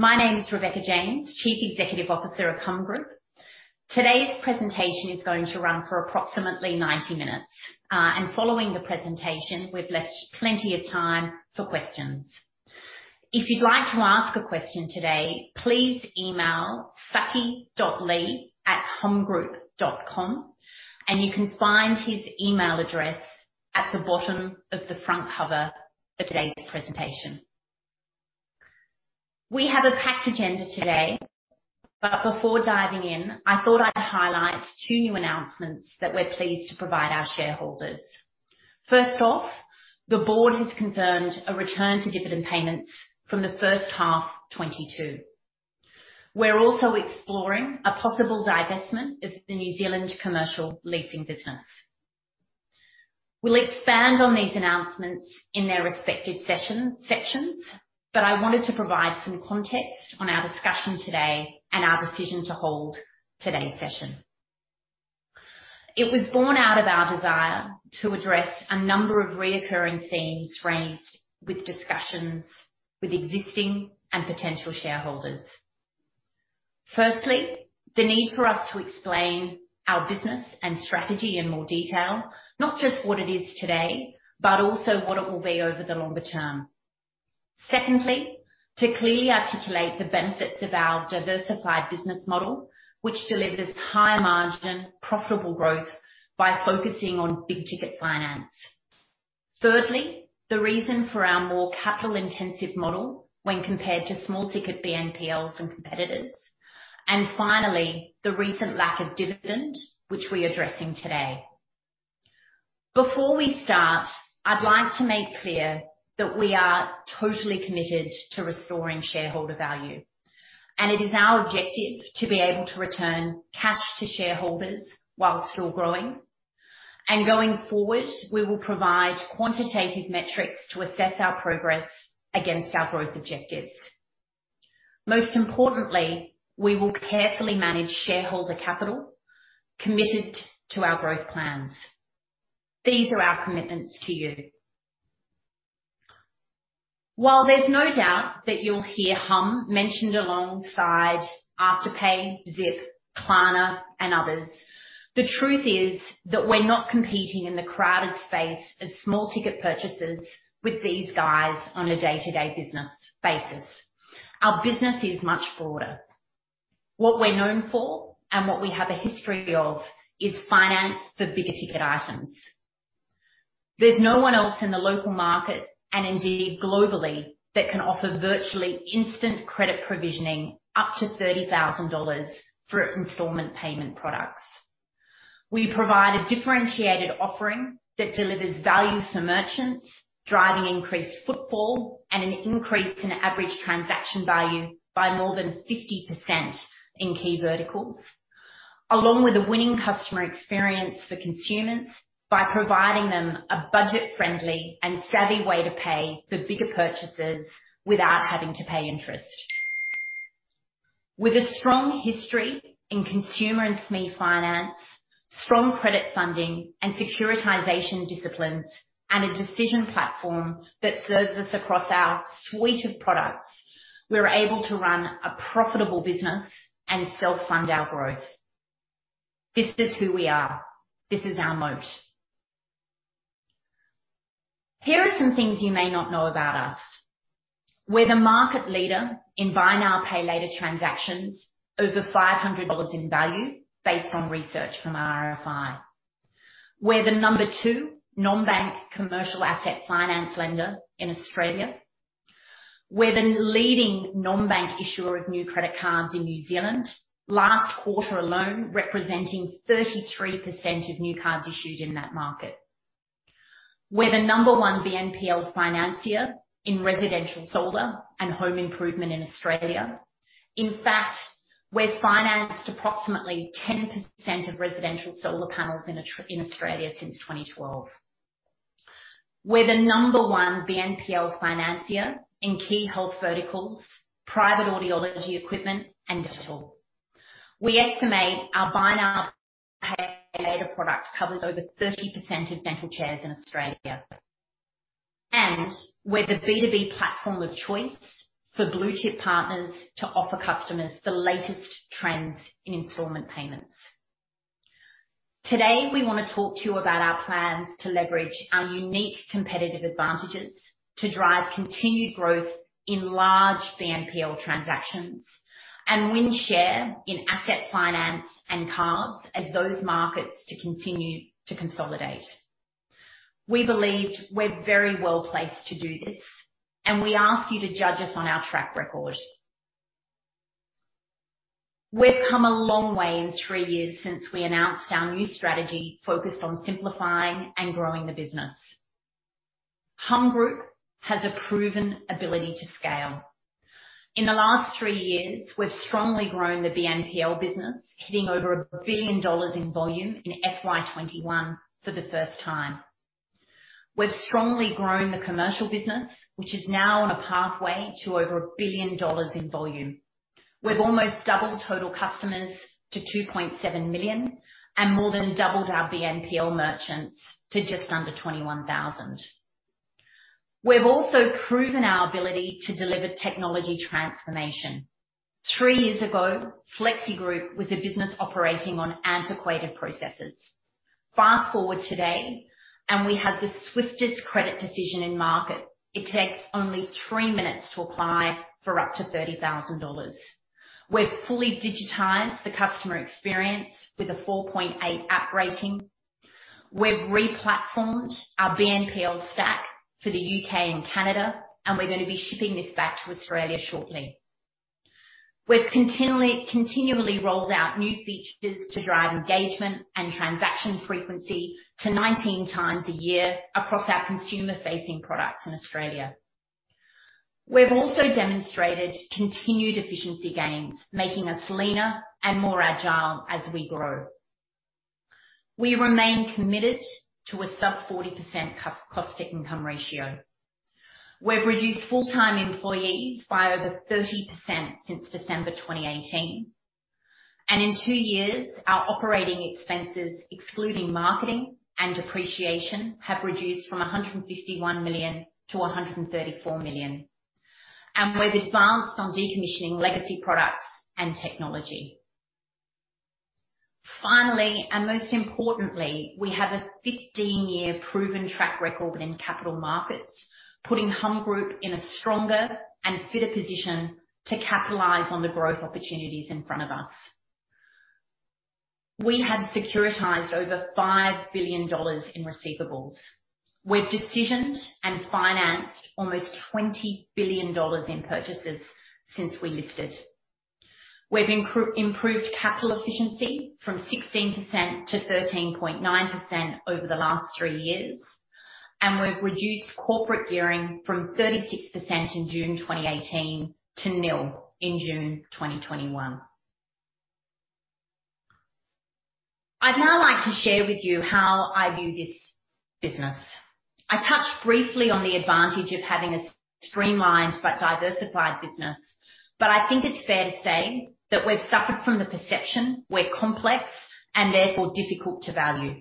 My name is Rebecca James, Chief Executive Officer of Humm Group. Today's presentation is going to run for approximately 90 minutes. Following the presentation, we've left plenty of time for questions. If you'd like to ask a question today, please email saki.lee@hummgroup.com, and you can find his email address at the bottom of the front cover of today's presentation. We have a packed agenda today, but before diving in, I thought I'd highlight two new announcements that we're pleased to provide our shareholders. First off, the board has confirmed a return to dividend payments from the first half 2022. We're also exploring a possible divestment of the New Zealand commercial leasing business. We'll expand on these announcements in their respective sections, but I wanted to provide some context on our discussion today and our decision to hold today's session. It was born out of our desire to address a number of recurring themes raised in discussions with existing and potential shareholders. Firstly, the need for us to explain our business and strategy in more detail, not just what it is today, but also what it will be over the longer term. Secondly, to clearly articulate the benefits of our diversified business model, which delivers high-margin, profitable growth by focusing on big-ticket finance. Thirdly, the reason for our more capital-intensive model when compared to small-ticket BNPLs and competitors. Finally, the recent lack of dividend, which we're addressing today. Before we start, I'd like to make clear that we are totally committed to restoring shareholder value, and it is our objective to be able to return cash to shareholders while still growing. Going forward, we will provide quantitative metrics to assess our progress against our growth objectives. Most importantly, we will carefully manage shareholder capital committed to our growth plans. These are our commitments to you. While there's no doubt that you'll hear Humm mentioned alongside Afterpay, Zip, Klarna, and others, the truth is that we're not competing in the crowded space of small ticket purchases with these guys on a day-to-day business basis. Our business is much broader. What we're known for, and what we have a history of, is finance for bigger ticket items. There's no one else in the local market, and indeed globally, that can offer virtually instant credit provisioning up to 30,000 dollars through installment payment products. We provide a differentiated offering that delivers value for merchants, driving increased footfall and an increase in average transaction value by more than 50% in key verticals. A winning customer experience for consumers by providing them a budget-friendly and savvy way to pay for bigger purchases without having to pay interest. With a strong history in consumer and SME finance, strong credit funding and securitization disciplines, and a decision platform that serves us across our suite of products, we're able to run a profitable business and self-fund our growth. This is who we are. This is our moat. Here are some things you may not know about us. We're the market leader in buy now, pay later transactions over 500 dollars in value based on research from RFi. We're the number two non-bank commercial asset finance lender in Australia. We're the leading non-bank issuer of new credit cards in New Zealand, last quarter alone representing 33% of new cards issued in that market. We're the number one BNPL financier in residential solar and home improvement in Australia. In fact, we've financed approximately 10% of residential solar panels in Australia since 2012. We're the number one BNPL financier in key health verticals, private audiology equipment, and dental. We estimate our buy now, pay later product covers over 30% of dental chairs in Australia. We're the B2B platform of choice for blue-chip partners to offer customers the latest trends in installment payments. Today, we wanna talk to you about our plans to leverage our unique competitive advantages to drive continued growth in large BNPL transactions and win share in asset finance and cards as those markets too continue to consolidate. We believe we're very well placed to do this, and we ask you to judge us on our track record. We've come a long way in three years since we announced our new strategy focused on simplifying and growing the business. Humm Group has a proven ability to scale. In the last three years, we've strongly grown the BNPL business, hitting over 1 billion dollars in volume in FY 2021 for the first time. We've strongly grown the commercial business, which is now on a pathway to over 1 billion dollars in volume. We've almost doubled total customers to 2.7 million and more than doubled our BNPL merchants to just under 21,000. We've also proven our ability to deliver technology transformation. three years ago, FlexiGroup was a business operating on antiquated processes. Fast-forward today, and we have the swiftest credit decision in market. It takes only three minutes to apply for up to 30,000 dollars. We've fully digitized the customer experience with a 4.8 app rating. We've re-platformed our BNPL stack for the U.K. and Canada, and we're gonna be shipping this back to Australia shortly. We've continually rolled out new features to drive engagement and transaction frequency to 19 times a year across our consumer-facing products in Australia. We've also demonstrated continued efficiency gains, making us leaner and more agile as we grow. We remain committed to a sub 40% cost-to-income ratio. We've reduced full-time employees by over 30% since December 2018. In two years, our operating expenses, excluding marketing and depreciation, have reduced from 151 million to 134 million. We've advanced on decommissioning legacy products and technology. Finally, and most importantly, we have a 15-year proven track record in capital markets, putting Humm Group in a stronger and fitter position to capitalize on the growth opportunities in front of us. We have securitized over 5 billion dollars in receivables. We've decisioned and financed almost 20 billion dollars in purchases since we listed. We've improved capital efficiency from 16% to 13.9% over the last three years, and we've reduced corporate gearing from 36% in June 2018 to nil in June 2021. I'd now like to share with you how I view this business. I touched briefly on the advantage of having a streamlined but diversified business, but I think it's fair to say that we've suffered from the perception we're complex and therefore difficult to value.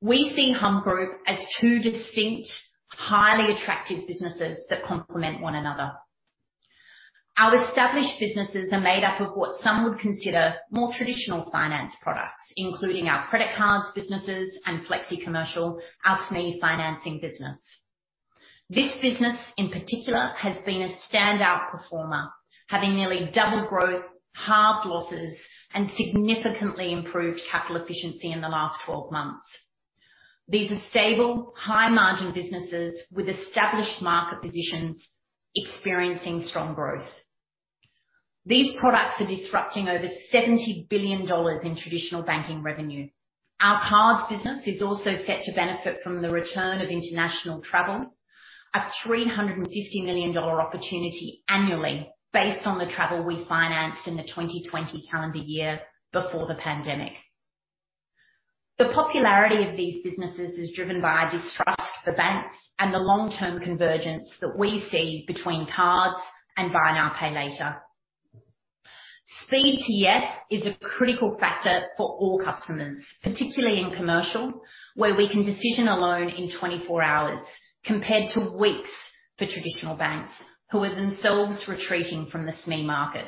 We see Humm Group as two distinct, highly attractive businesses that complement one another. Our established businesses are made up of what some would consider more traditional finance products, including our credit cards businesses and FlexiCommercial, our SME financing business. This business, in particular, has been a standout performer, having nearly double growth, halved losses, and significantly improved capital efficiency in the last 12 months. These are stable, high-margin businesses with established market positions experiencing strong growth. These products are disrupting over 70 billion dollars in traditional banking revenue. Our cards business is also set to benefit from the return of international travel, a 350 million dollar opportunity annually based on the travel we financed in the 2020 calendar year before the pandemic. The popularity of these businesses is driven by a distrust for banks and the long-term convergence that we see between cards and buy now, pay later. Speed to yes is a critical factor for all customers, particularly in commercial, where we can decision a loan in 24 hours compared to weeks for traditional banks who are themselves retreating from the SME market.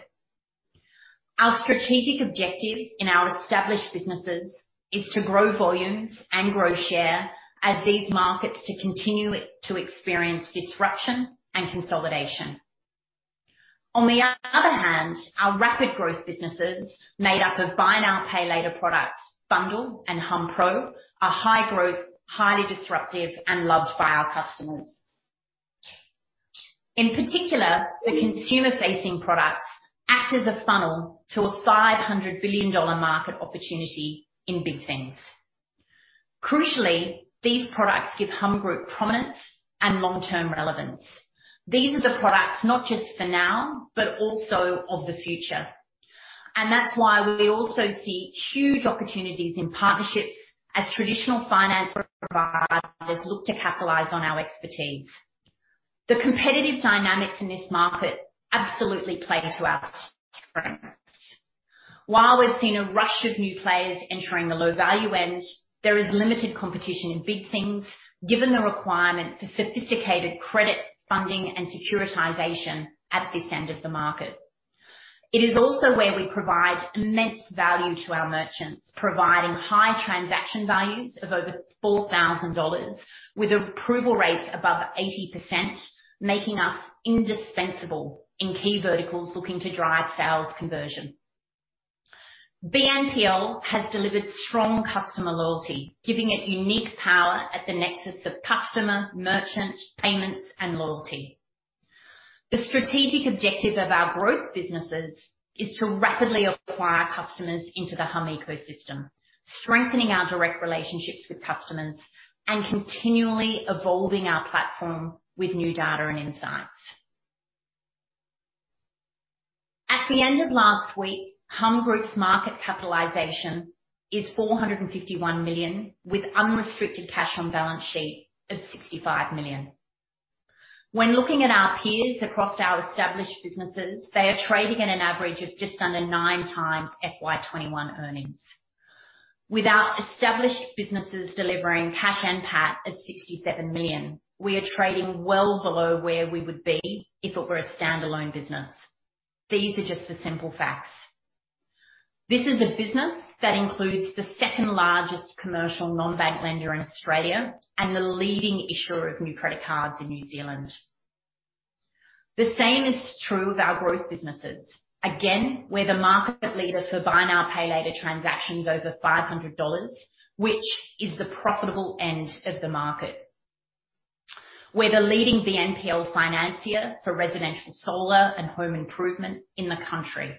Our strategic objective in our established businesses is to grow volumes and grow share as these markets continue to experience disruption and consolidation. On the other hand, our rapid growth businesses made up of buy now, pay later products, bundll and humm pro, are high growth, highly disruptive, and loved by our customers. In particular, the consumer-facing products act as a funnel to a $500 billion market opportunity in Big things. Crucially, these products give Humm Group prominence and long-term relevance. These are the products not just for now but also of the future. That's why we also see huge opportunities in partnerships as traditional finance providers look to capitalize on our expertise. The competitive dynamics in this market absolutely play to our strengths. While we've seen a rush of new players entering the low-value end, there is limited competition in Big things given the requirement for sophisticated credit funding and securitization at this end of the market. It is also where we provide immense value to our merchants, providing high transaction values of over 4,000 dollars with approval rates above 80%, making us indispensable in key verticals looking to drive sales conversion. BNPL has delivered strong customer loyalty, giving it unique power at the nexus of customer, merchant, payments, and loyalty. The strategic objective of our growth businesses is to rapidly acquire customers into the Humm ecosystem, strengthening our direct relationships with customers and continually evolving our platform with new data and insights. At the end of last week, Humm Group's market capitalization is AUD 451 million, with unrestricted cash on balance sheet of AUD 65 million. When looking at our peers across our established businesses, they are trading at an average of just under 9x FY 2021 earnings. Without established businesses delivering cash and PAT of AUD 67 million, we are trading well below where we would be if it were a standalone business. These are just the simple facts. This is a business that includes the second largest commercial non-bank lender in Australia and the leading issuer of new credit cards in New Zealand. The same is true of our growth businesses. Again, we're the market leader for buy now, pay later transactions over 500 dollars, which is the profitable end of the market. We're the leading BNPL financier for residential, solar, and home improvement in the country.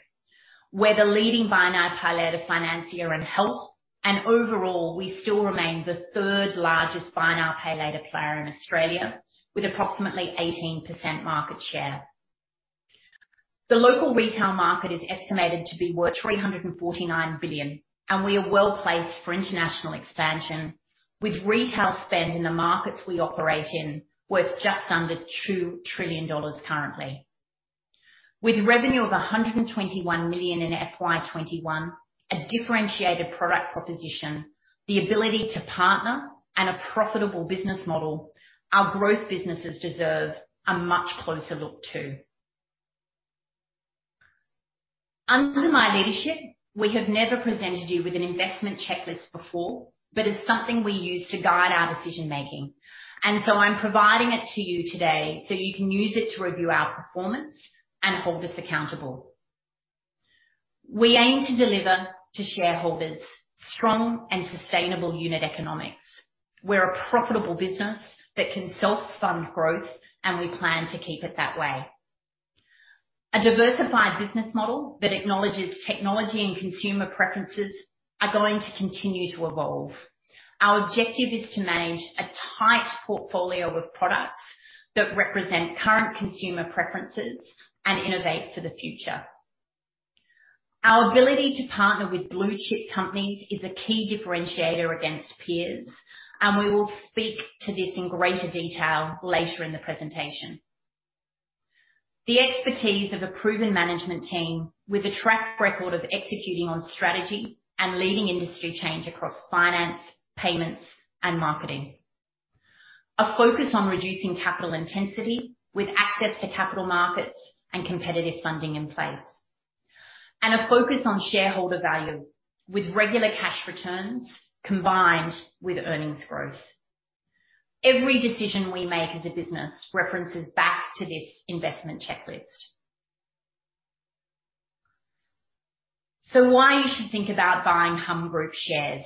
We're the leading buy now, pay later financier in health, and overall, we still remain the third largest buy now, pay later player in Australia with approximately 18% market share. The local retail market is estimated to be worth 349 billion, and we are well-placed for international expansion. With retail spend in the markets we operate in worth just under $2 trillion currently. With revenue of 121 million in FY 2021, a differentiated product proposition, the ability to partner and a profitable business model, our growth businesses deserve a much closer look too. Under my leadership, we have never presented you with an investment checklist before, but it's something we use to guide our decision-making. I'm providing it to you today so you can use it to review our performance and hold us accountable. We aim to deliver to shareholders strong and sustainable unit economics. We're a profitable business that can self-fund growth, and we plan to keep it that way. A diversified business model that acknowledges technology and consumer preferences are going to continue to evolve. Our objective is to manage a tight portfolio of products that represent current consumer preferences and innovate for the future. Our ability to partner with blue chip companies is a key differentiator against peers, and we will speak to this in greater detail later in the presentation. The expertise of a proven management team with a track record of executing on strategy and leading industry change across finance, payments, and marketing. A focus on reducing capital intensity with access to capital markets and competitive funding in place. A focus on shareholder value with regular cash returns combined with earnings growth. Every decision we make as a business references back to this investment checklist. Why you should think about buying Humm Group shares.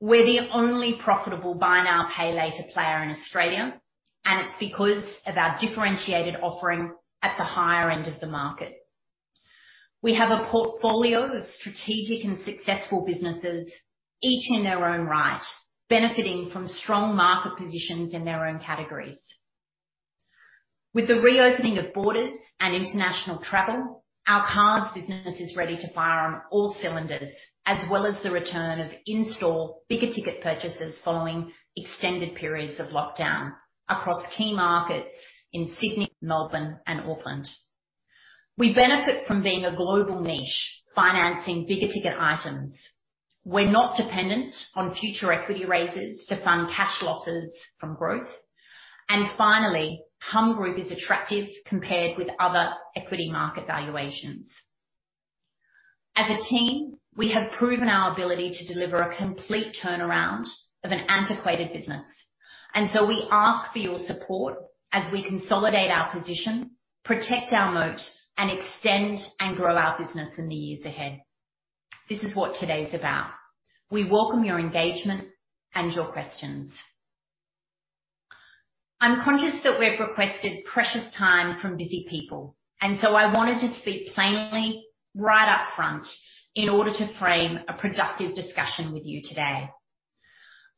We're the only profitable buy now, pay later player in Australia, and it's because of our differentiated offering at the higher end of the market. We have a portfolio of strategic and successful businesses, each in their own right, benefiting from strong market positions in their own categories. With the reopening of borders and international travel, our cards business is ready to fire on all cylinders, as well as the return of in-store bigger ticket purchases following extended periods of lockdown across key markets in Sydney, Melbourne, and Auckland. We benefit from being a global niche, financing bigger ticket items. We're not dependent on future equity raises to fund cash losses from growth. Finally, Humm Group is attractive compared with other equity market valuations. As a team, we have proven our ability to deliver a complete turnaround of an antiquated business. We ask for your support as we consolidate our position, protect our moat, and extend and grow our business in the years ahead. This is what today's about. We welcome your engagement and your questions. I'm conscious that we've requested precious time from busy people, and so I wanted to speak plainly right up front in order to frame a productive discussion with you today.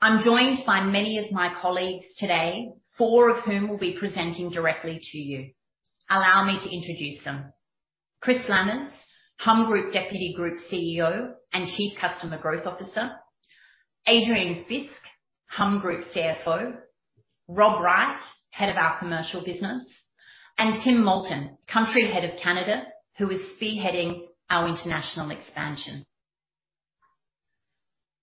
I'm joined by many of my colleagues today, four of whom will be presenting directly to you. Allow me to introduce them. Chris Lamer, Humm Group Deputy Group CEO and Chief Customer Growth Officer. Adrian Fisk, Humm Group CFO. Rob Wright, Head of Commercial Business, and Tim Moulton, Canadian Country Head, who is spearheading our international expansion.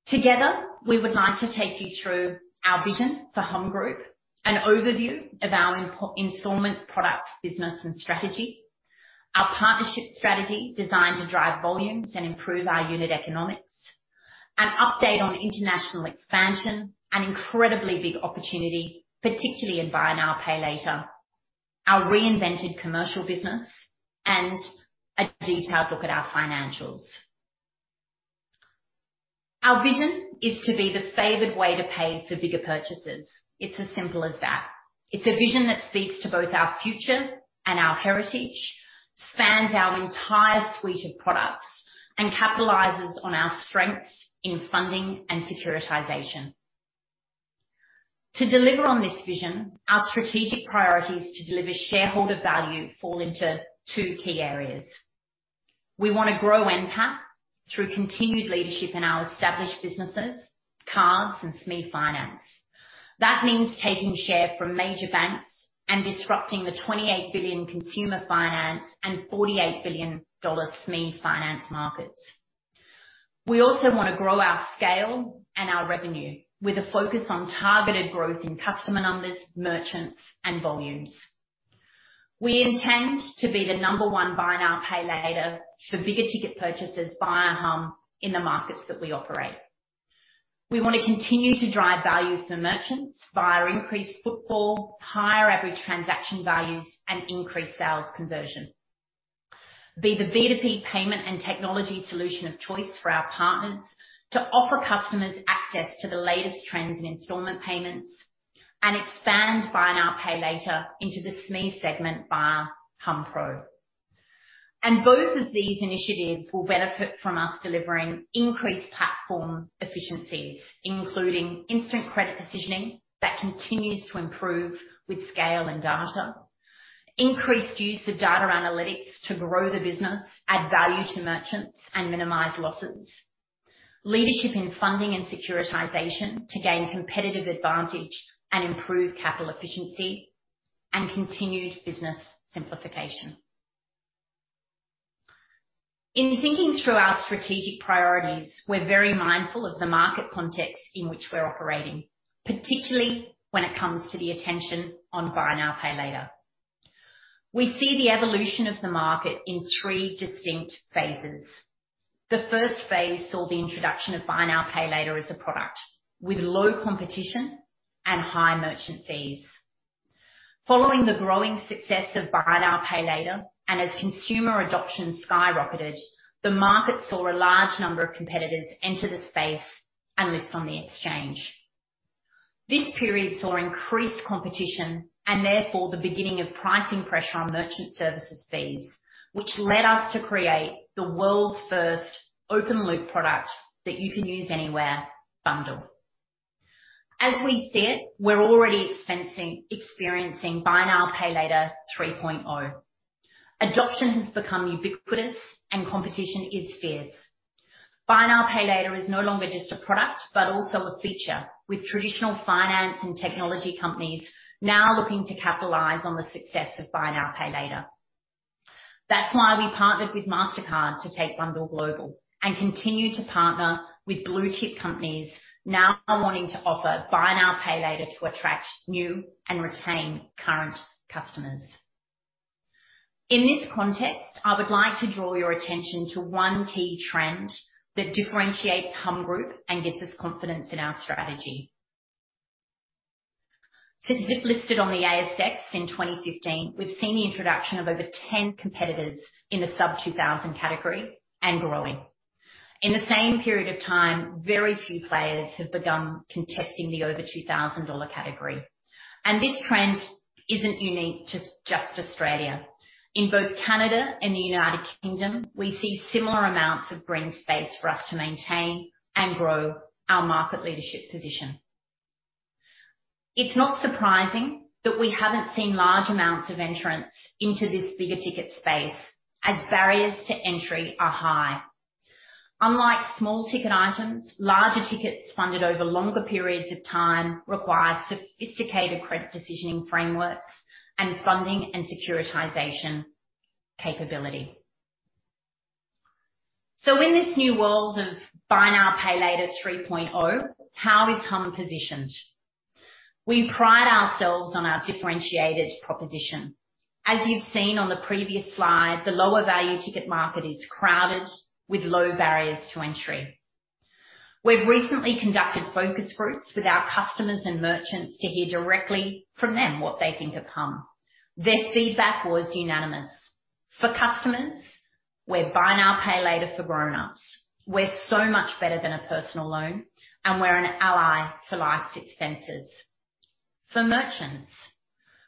Together, we would like to take you through our vision for Humm Group, an overview of our installment products, business and strategy, our partnership strategy designed to drive volumes and improve our unit economics, an update on international expansion, an incredibly big opportunity, particularly in buy now, pay later, our reinvented commercial business, and a detailed look at our financials. Our vision is to be the favored way to pay for bigger purchases. It's as simple as that. It's a vision that speaks to both our future and our heritage, spans our entire suite of products, and capitalizes on our strengths in funding and securitization. To deliver on this vision, our strategic priorities to deliver shareholder value fall into two key areas. We want to grow NPAT through continued leadership in our established businesses, Cards and SME Finance. That means taking share from major banks and disrupting the 28 billion consumer finance and 48 billion-dollar SME finance markets. We also want to grow our scale and our revenue with a focus on targeted growth in customer numbers, merchants, and volumes. We intend to be the number one buy now, pay later for bigger ticket purchases via humm in the markets that we operate. We want to continue to drive value for merchants via increased footfall, higher average transaction values and increased sales conversion. Be the B2B payment and technology solution of choice for our partners to offer customers access to the latest trends in installment payments and expand buy now, pay later into the SME segment via humm pro. Both of these initiatives will benefit from us delivering increased platform efficiencies, including instant credit decisioning that continues to improve with scale and data. Increased use of data analytics to grow the business, add value to merchants, and minimize losses. Leadership in funding and securitization to gain competitive advantage and improve capital efficiency and continued business simplification. In thinking through our strategic priorities, we're very mindful of the market context in which we're operating, particularly when it comes to the attention on buy now, pay later. We see the evolution of the market in three distinct phases. The first phase saw the introduction of buy now, pay later as a product with low competition and high merchant fees. Following the growing success of buy now, pay later, and as consumer adoption skyrocketed, the market saw a large number of competitors enter the space and list on the exchange. This period saw increased competition and therefore the beginning of pricing pressure on merchant services fees, which led us to create the world's first open loop product that you can use anywhere, bundll. As we see it, we're already experiencing buy now, pay later 3.0. Adoption has become ubiquitous and competition is fierce. Buy now, pay later is no longer just a product, but also a feature with traditional finance and technology companies now looking to capitalize on the success of buy now, pay later. That's why we partnered with Mastercard to take bundll global and continue to partner with blue-chip companies now wanting to offer buy now, pay later to attract new and retain current customers. In this context, I would like to draw your attention to one key trend that differentiates Humm Group and gives us confidence in our strategy. Since it listed on the ASX in 2015, we've seen the introduction of over 10 competitors in the sub-AUD 2,000 category and growing. In the same period of time, very few players have begun contesting the over 2,000 dollar category, and this trend isn't unique to just Australia. In both Canada and the U.K., we see similar amounts of green space for us to maintain and grow our market leadership position. It's not surprising that we haven't seen large amounts of entrants into this bigger ticket space as barriers to entry are high. Unlike small ticket items, larger tickets funded over longer periods of time require sophisticated credit decisioning frameworks and funding and securitization capability. In this new world of buy now, pay later 3.0, how is Humm positioned? We pride ourselves on our differentiated proposition. As you've seen on the previous slide, the lower value ticket market is crowded with low barriers to entry. We've recently conducted focus groups with our customers and merchants to hear directly from them what they think of Humm. Their feedback was unanimous. For customers, we're buy now, pay later for grown-ups. We're so much better than a personal loan, and we're an ally for life's expenses. For merchants,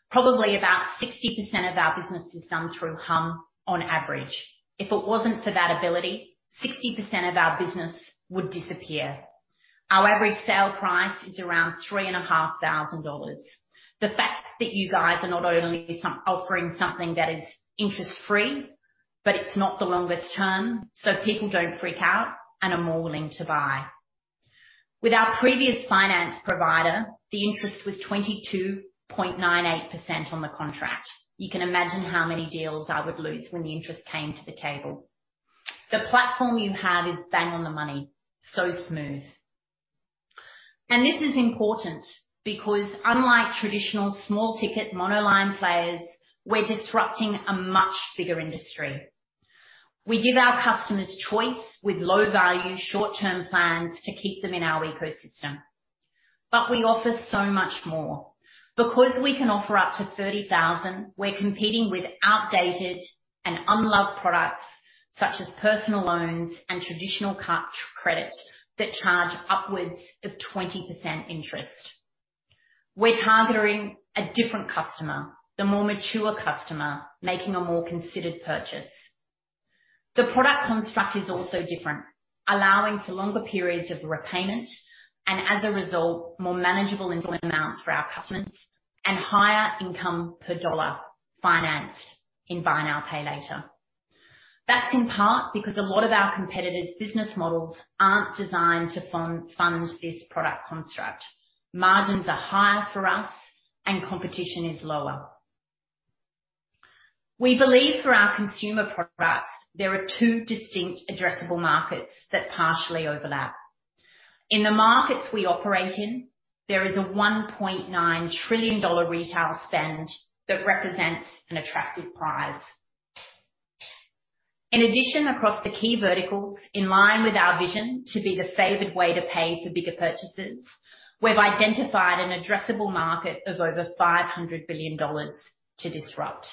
probably about 60% of our business is done through Humm on average. If it wasn't for that ability, 60% of our business would disappear. Our average sale price is around 3,500 dollars. The fact that you guys are not only offering something that is interest-free, but it's not the longest term, so people don't freak out and are more willing to buy. With our previous finance provider, the interest was 22.98% on the contract. You can imagine how many deals I would lose when the interest came to the table. The platform you have is bang on the money, so smooth. This is important because unlike traditional small ticket monoline players, we're disrupting a much bigger industry. We give our customers choice with low value, short-term plans to keep them in our ecosystem. We offer so much more. Because we can offer up to 30,000, we're competing with outdated and unloved products such as personal loans and traditional credit that charge upwards of 20% interest. We're targeting a different customer, the more mature customer, making a more considered purchase. The product construct is also different, allowing for longer periods of repayment and, as a result, more manageable installment amounts for our customers. Higher income per dollar financed in buy now, pay later. That's in part because a lot of our competitors' business models aren't designed to fund this product construct. Margins are higher for us and competition is lower. We believe for our consumer products, there are two distinct addressable markets that partially overlap. In the markets we operate in, there is a $1.9 trillion retail spend that represents an attractive prize. In addition, across the key verticals, in line with our vision to be the favored way to pay for bigger purchases, we've identified an addressable market of over $500 billion to disrupt.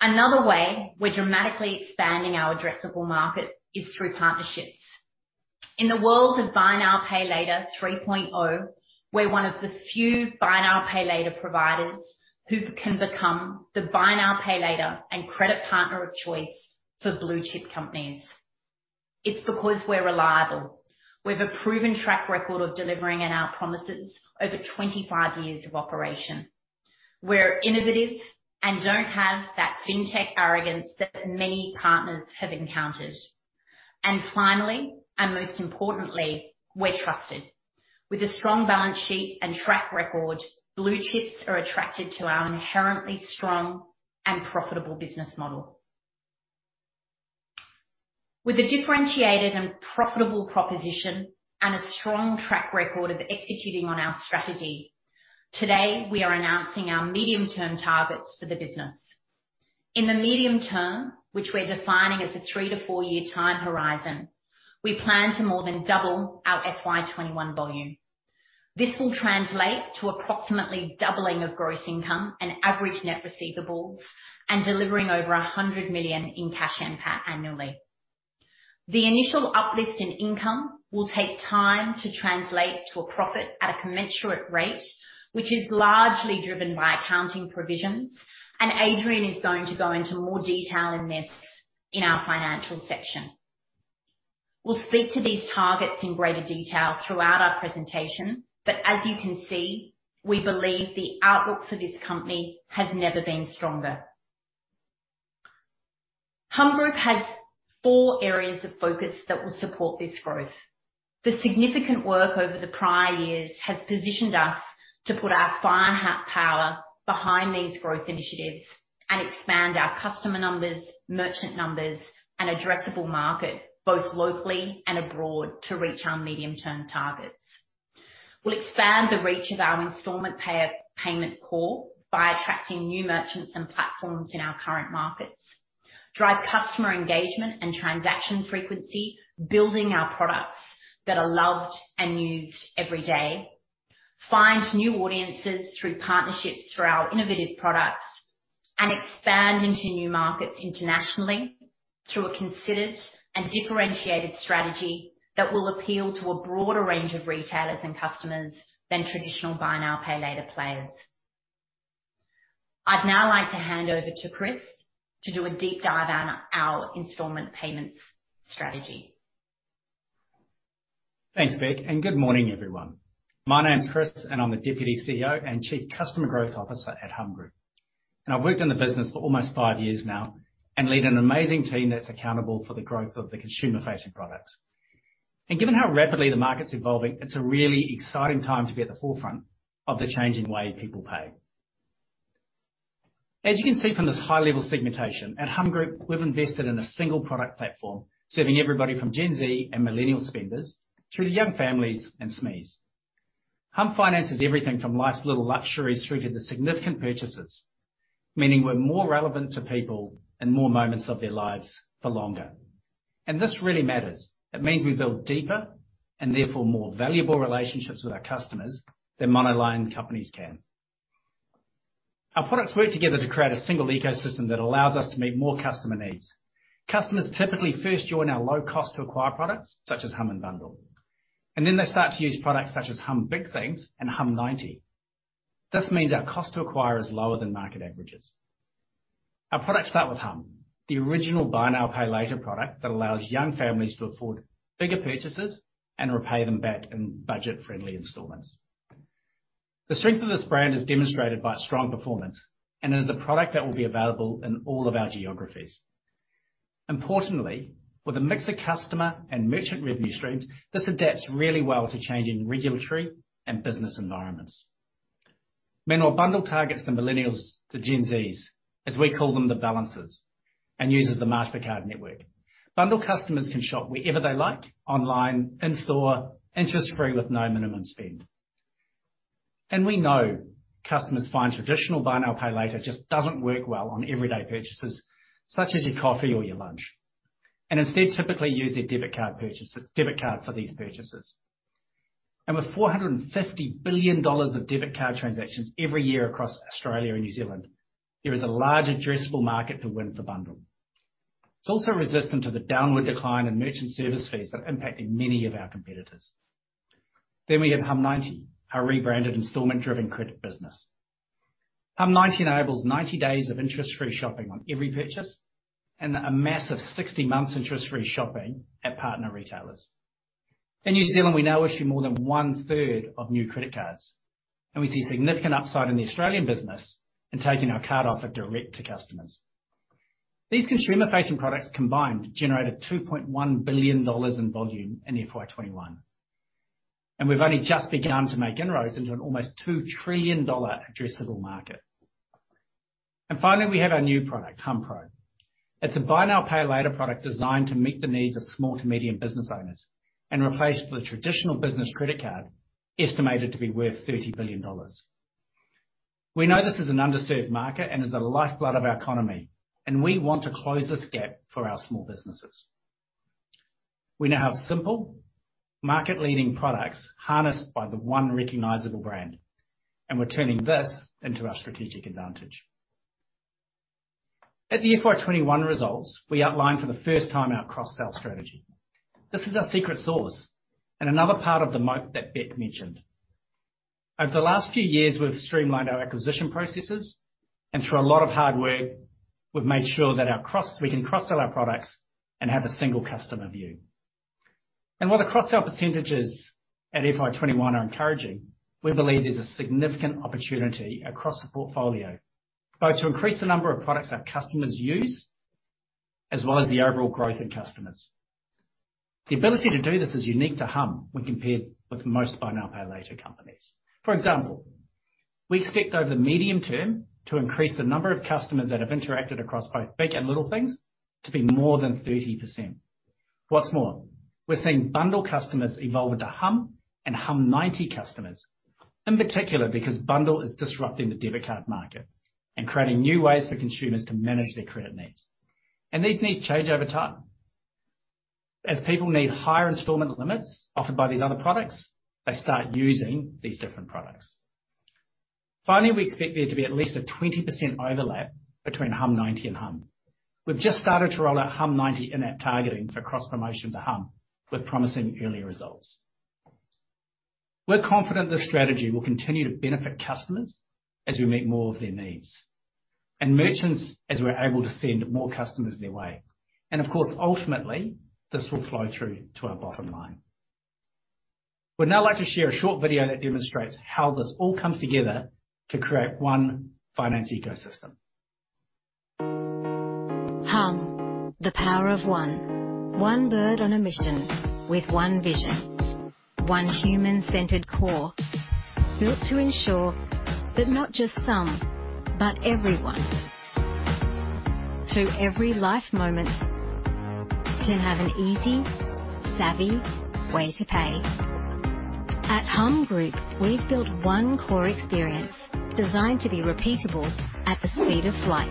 Another way we're dramatically expanding our addressable market is through partnerships. In the world of buy now, pay later 3.0, we're one of the few buy now, pay later providers who can become the buy now, pay later and credit partner of choice for blue-chip companies. It's because we're reliable. We've a proven track record of delivering on our promises over 25 years of operation. We're innovative and don't have that fintech arrogance that many partners have encountered. Finally, and most importantly, we're trusted. With a strong balance sheet and track record, blue chips are attracted to our inherently strong and profitable business model. With a differentiated and profitable proposition and a strong track record of executing on our strategy, today, we are announcing our medium-term targets for the business. In the medium term, which we're defining as a 3-4-year time horizon, we plan to more than double our FY 2021 volume. This will translate to approximately doubling of gross income and average net receivables and delivering over 100 million in cash NPAT annually. The initial uplift in income will take time to translate to a profit at a commensurate rate, which is largely driven by accounting provisions, and Adrian is going to go into more detail in this in our financial section. We'll speak to these targets in greater detail throughout our presentation, but as you can see, we believe the outlook for this company has never been stronger. Humm Group has four areas of focus that will support this growth. The significant work over the prior years has positioned us to put our firepower behind these growth initiatives and expand our customer numbers, merchant numbers, and addressable market, both locally and abroad, to reach our medium-term targets. We'll expand the reach of our installment payment core by attracting new merchants and platforms in our current markets, drive customer engagement and transaction frequency, building our products that are loved and used every day, find new audiences through partnerships through our innovative products, and expand into new markets internationally through a considered and differentiated strategy that will appeal to a broader range of retailers and customers than traditional buy now, pay later players. I'd now like to hand over to Chris to do a deep dive on our installment payments strategy. Thanks, Rebecca, good morning, everyone. My name's Chris, and I'm the Deputy CEO and Chief Customer Growth Officer at Humm Group. I've worked in the business for almost five years now and lead an amazing team that's accountable for the growth of the consumer-facing products. Given how rapidly the market's evolving, it's a really exciting time to be at the forefront of the changing way people pay. As you can see from this high-level segmentation, at Humm Group, we've invested in a single product platform serving everybody from Gen Z and millennial spenders to young families and SMEs. Humm finances everything from life's little luxuries through to the significant purchases, meaning we're more relevant to people in more moments of their lives for longer. This really matters. It means we build deeper and therefore more valuable relationships with our customers than monoline companies can. Our products work together to create a single ecosystem that allows us to meet more customer needs. Customers typically first join our low cost to acquire products, such as humm and bundll. They start to use products such as humm Big things and humm90. This means our cost to acquire is lower than market averages. Our products start with humm, the original buy now, pay later product that allows young families to afford bigger purchases and repay them back in budget-friendly installments. The strength of this brand is demonstrated by its strong performance and is the product that will be available in all of our geographies. Importantly, with a mix of customer and merchant revenue streams, this adapts really well to changing regulatory and business environments. Meanwhile, bundll targets the millennials to Gen Zs, as we call them, the balancers, and uses the Mastercard network. Bundll customers can shop wherever they like, online, in-store, interest-free with no minimum spend. We know customers find traditional buy now, pay later just doesn't work well on everyday purchases, such as your coffee or your lunch, and instead typically use their debit card for these purchases. With 450 billion dollars of debit card transactions every year across Australia and New Zealand, there is a large addressable market to win for Bundll. It's also resistant to the downward decline in merchant service fees that impacted many of our competitors. We have Humm90, our rebranded installment-driven credit business. Humm90 enables 90 days of interest-free shopping on every purchase and a massive 60 months interest-free shopping at partner retailers. In New Zealand, we now issue more than 1/3 of new credit cards, and we see significant upside in the Australian business in taking our card offer direct to customers. These consumer-facing products combined generated 2.1 billion dollars in volume in FY 2021, and we've only just begun to make inroads into an almost 2 trillion dollar addressable market. Finally, we have our new product, humm pro. It's a buy now, pay later product designed to meet the needs of small to medium business owners and replace the traditional business credit card estimated to be worth 30 billion dollars. We know this is an underserved market and is the lifeblood of our economy, and we want to close this gap for our small businesses. We now have simple market-leading products harnessed by the one recognizable brand, and we're turning this into our strategic advantage. At the FY 2021 results, we outlined for the first time our cross-sell strategy. This is our secret sauce and another part of the moat that Bec mentioned. Over the last few years, we've streamlined our acquisition processes, and through a lot of hard work, we've made sure that we can cross-sell our products and have a single customer view. While the cross-sell percentages at FY 2021 are encouraging, we believe there's a significant opportunity across the portfolio both to increase the number of products our customers use as well as the overall growth in customers. The ability to do this is unique to Humm when compared with most buy now, pay later companies. For example, we expect over the medium term to increase the number of customers that have interacted across both Big things and Little things to be more than 30%. What's more, we're seeing bundll customers evolve into humm and humm90 customers, in particular because bundll is disrupting the debit card market and creating new ways for consumers to manage their credit needs. These needs change over time. As people need higher installment limits offered by these other products, they start using these different products. Finally, we expect there to be at least a 20% overlap between humm90 and humm. We've just started to roll out humm90 in-app targeting for cross-promotion to humm with promising early results. We're confident this strategy will continue to benefit customers as we meet more of their needs and merchants as we're able to send more customers their way. Of course, ultimately, this will flow through to our bottom line. We'd now like to share a short video that demonstrates how this all comes together to create one finance ecosystem. humm, the power of one. One bird on a mission with one vision, one human-centered core built to ensure that not just some, but everyone, to every life moment, can have an easy, savvy way to pay. At Humm Group, we've built one core experience designed to be repeatable at the speed of flight.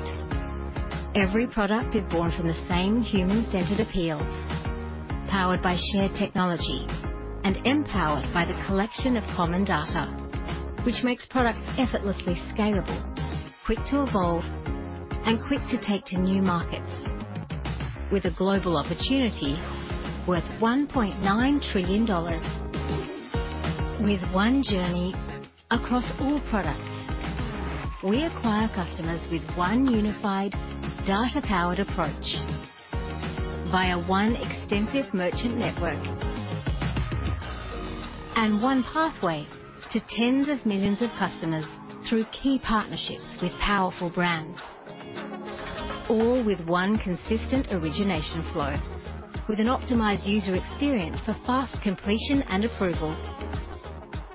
Every product is born from the same human-centered appeals, powered by shared technology and empowered by the collection of common data, which makes products effortlessly scalable, quick to evolve, and quick to take to new markets. With a global opportunity worth $1.9 trillion. With one journey across all products, we acquire customers with one unified data-powered approach via one extensive merchant network and one pathway to tens of millions of customers through key partnerships with powerful brands, all with one consistent origination flow. With an optimized user experience for fast completion and approval,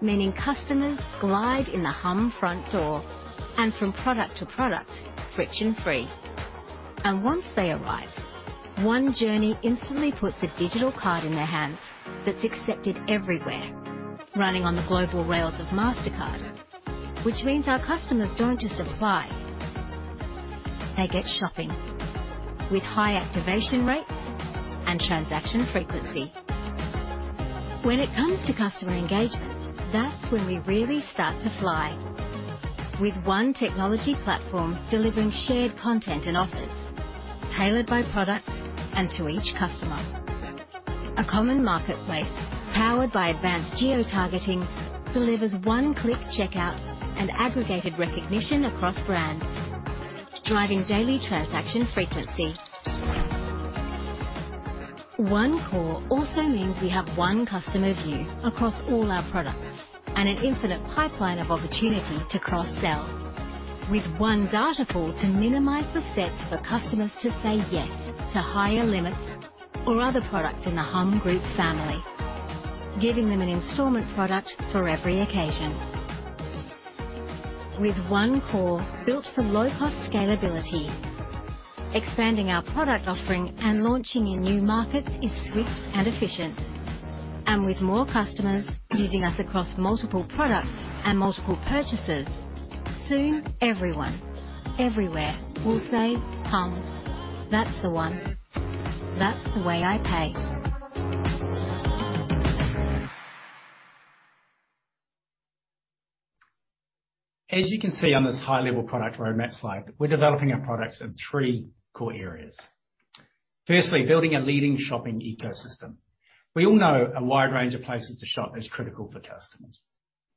meaning customers glide in the Humm front door and from product to product, friction-free. Once they arrive, one journey instantly puts a digital card in their hands that's accepted everywhere, running on the global rails of Mastercard, which means our customers don't just apply, they get shopping, with high activation rates and transaction frequency. When it comes to customer engagement, that's when we really start to fly. With one technology platform delivering shared content and offers tailored by product and to each customer. A common marketplace powered by advanced geotargeting delivers one-click checkout and aggregated recognition across brands, driving daily transaction frequency. One core also means we have one customer view across all our products and an infinite pipeline of opportunity to cross-sell. With one data pool to minimize the steps for customers to say yes to higher limits or other products in the Humm Group family, giving them an installment product for every occasion. With one core built for low cost scalability, expanding our product offering and launching in new markets is swift and efficient. With more customers using us across multiple products and multiple purchases, soon everyone, everywhere will say, "Humm, that's the one. That's the way I pay. As you can see on this high-level product roadmap slide, we're developing our products in three core areas. Firstly, building a leading shopping ecosystem. We all know a wide range of places to shop is critical for customers.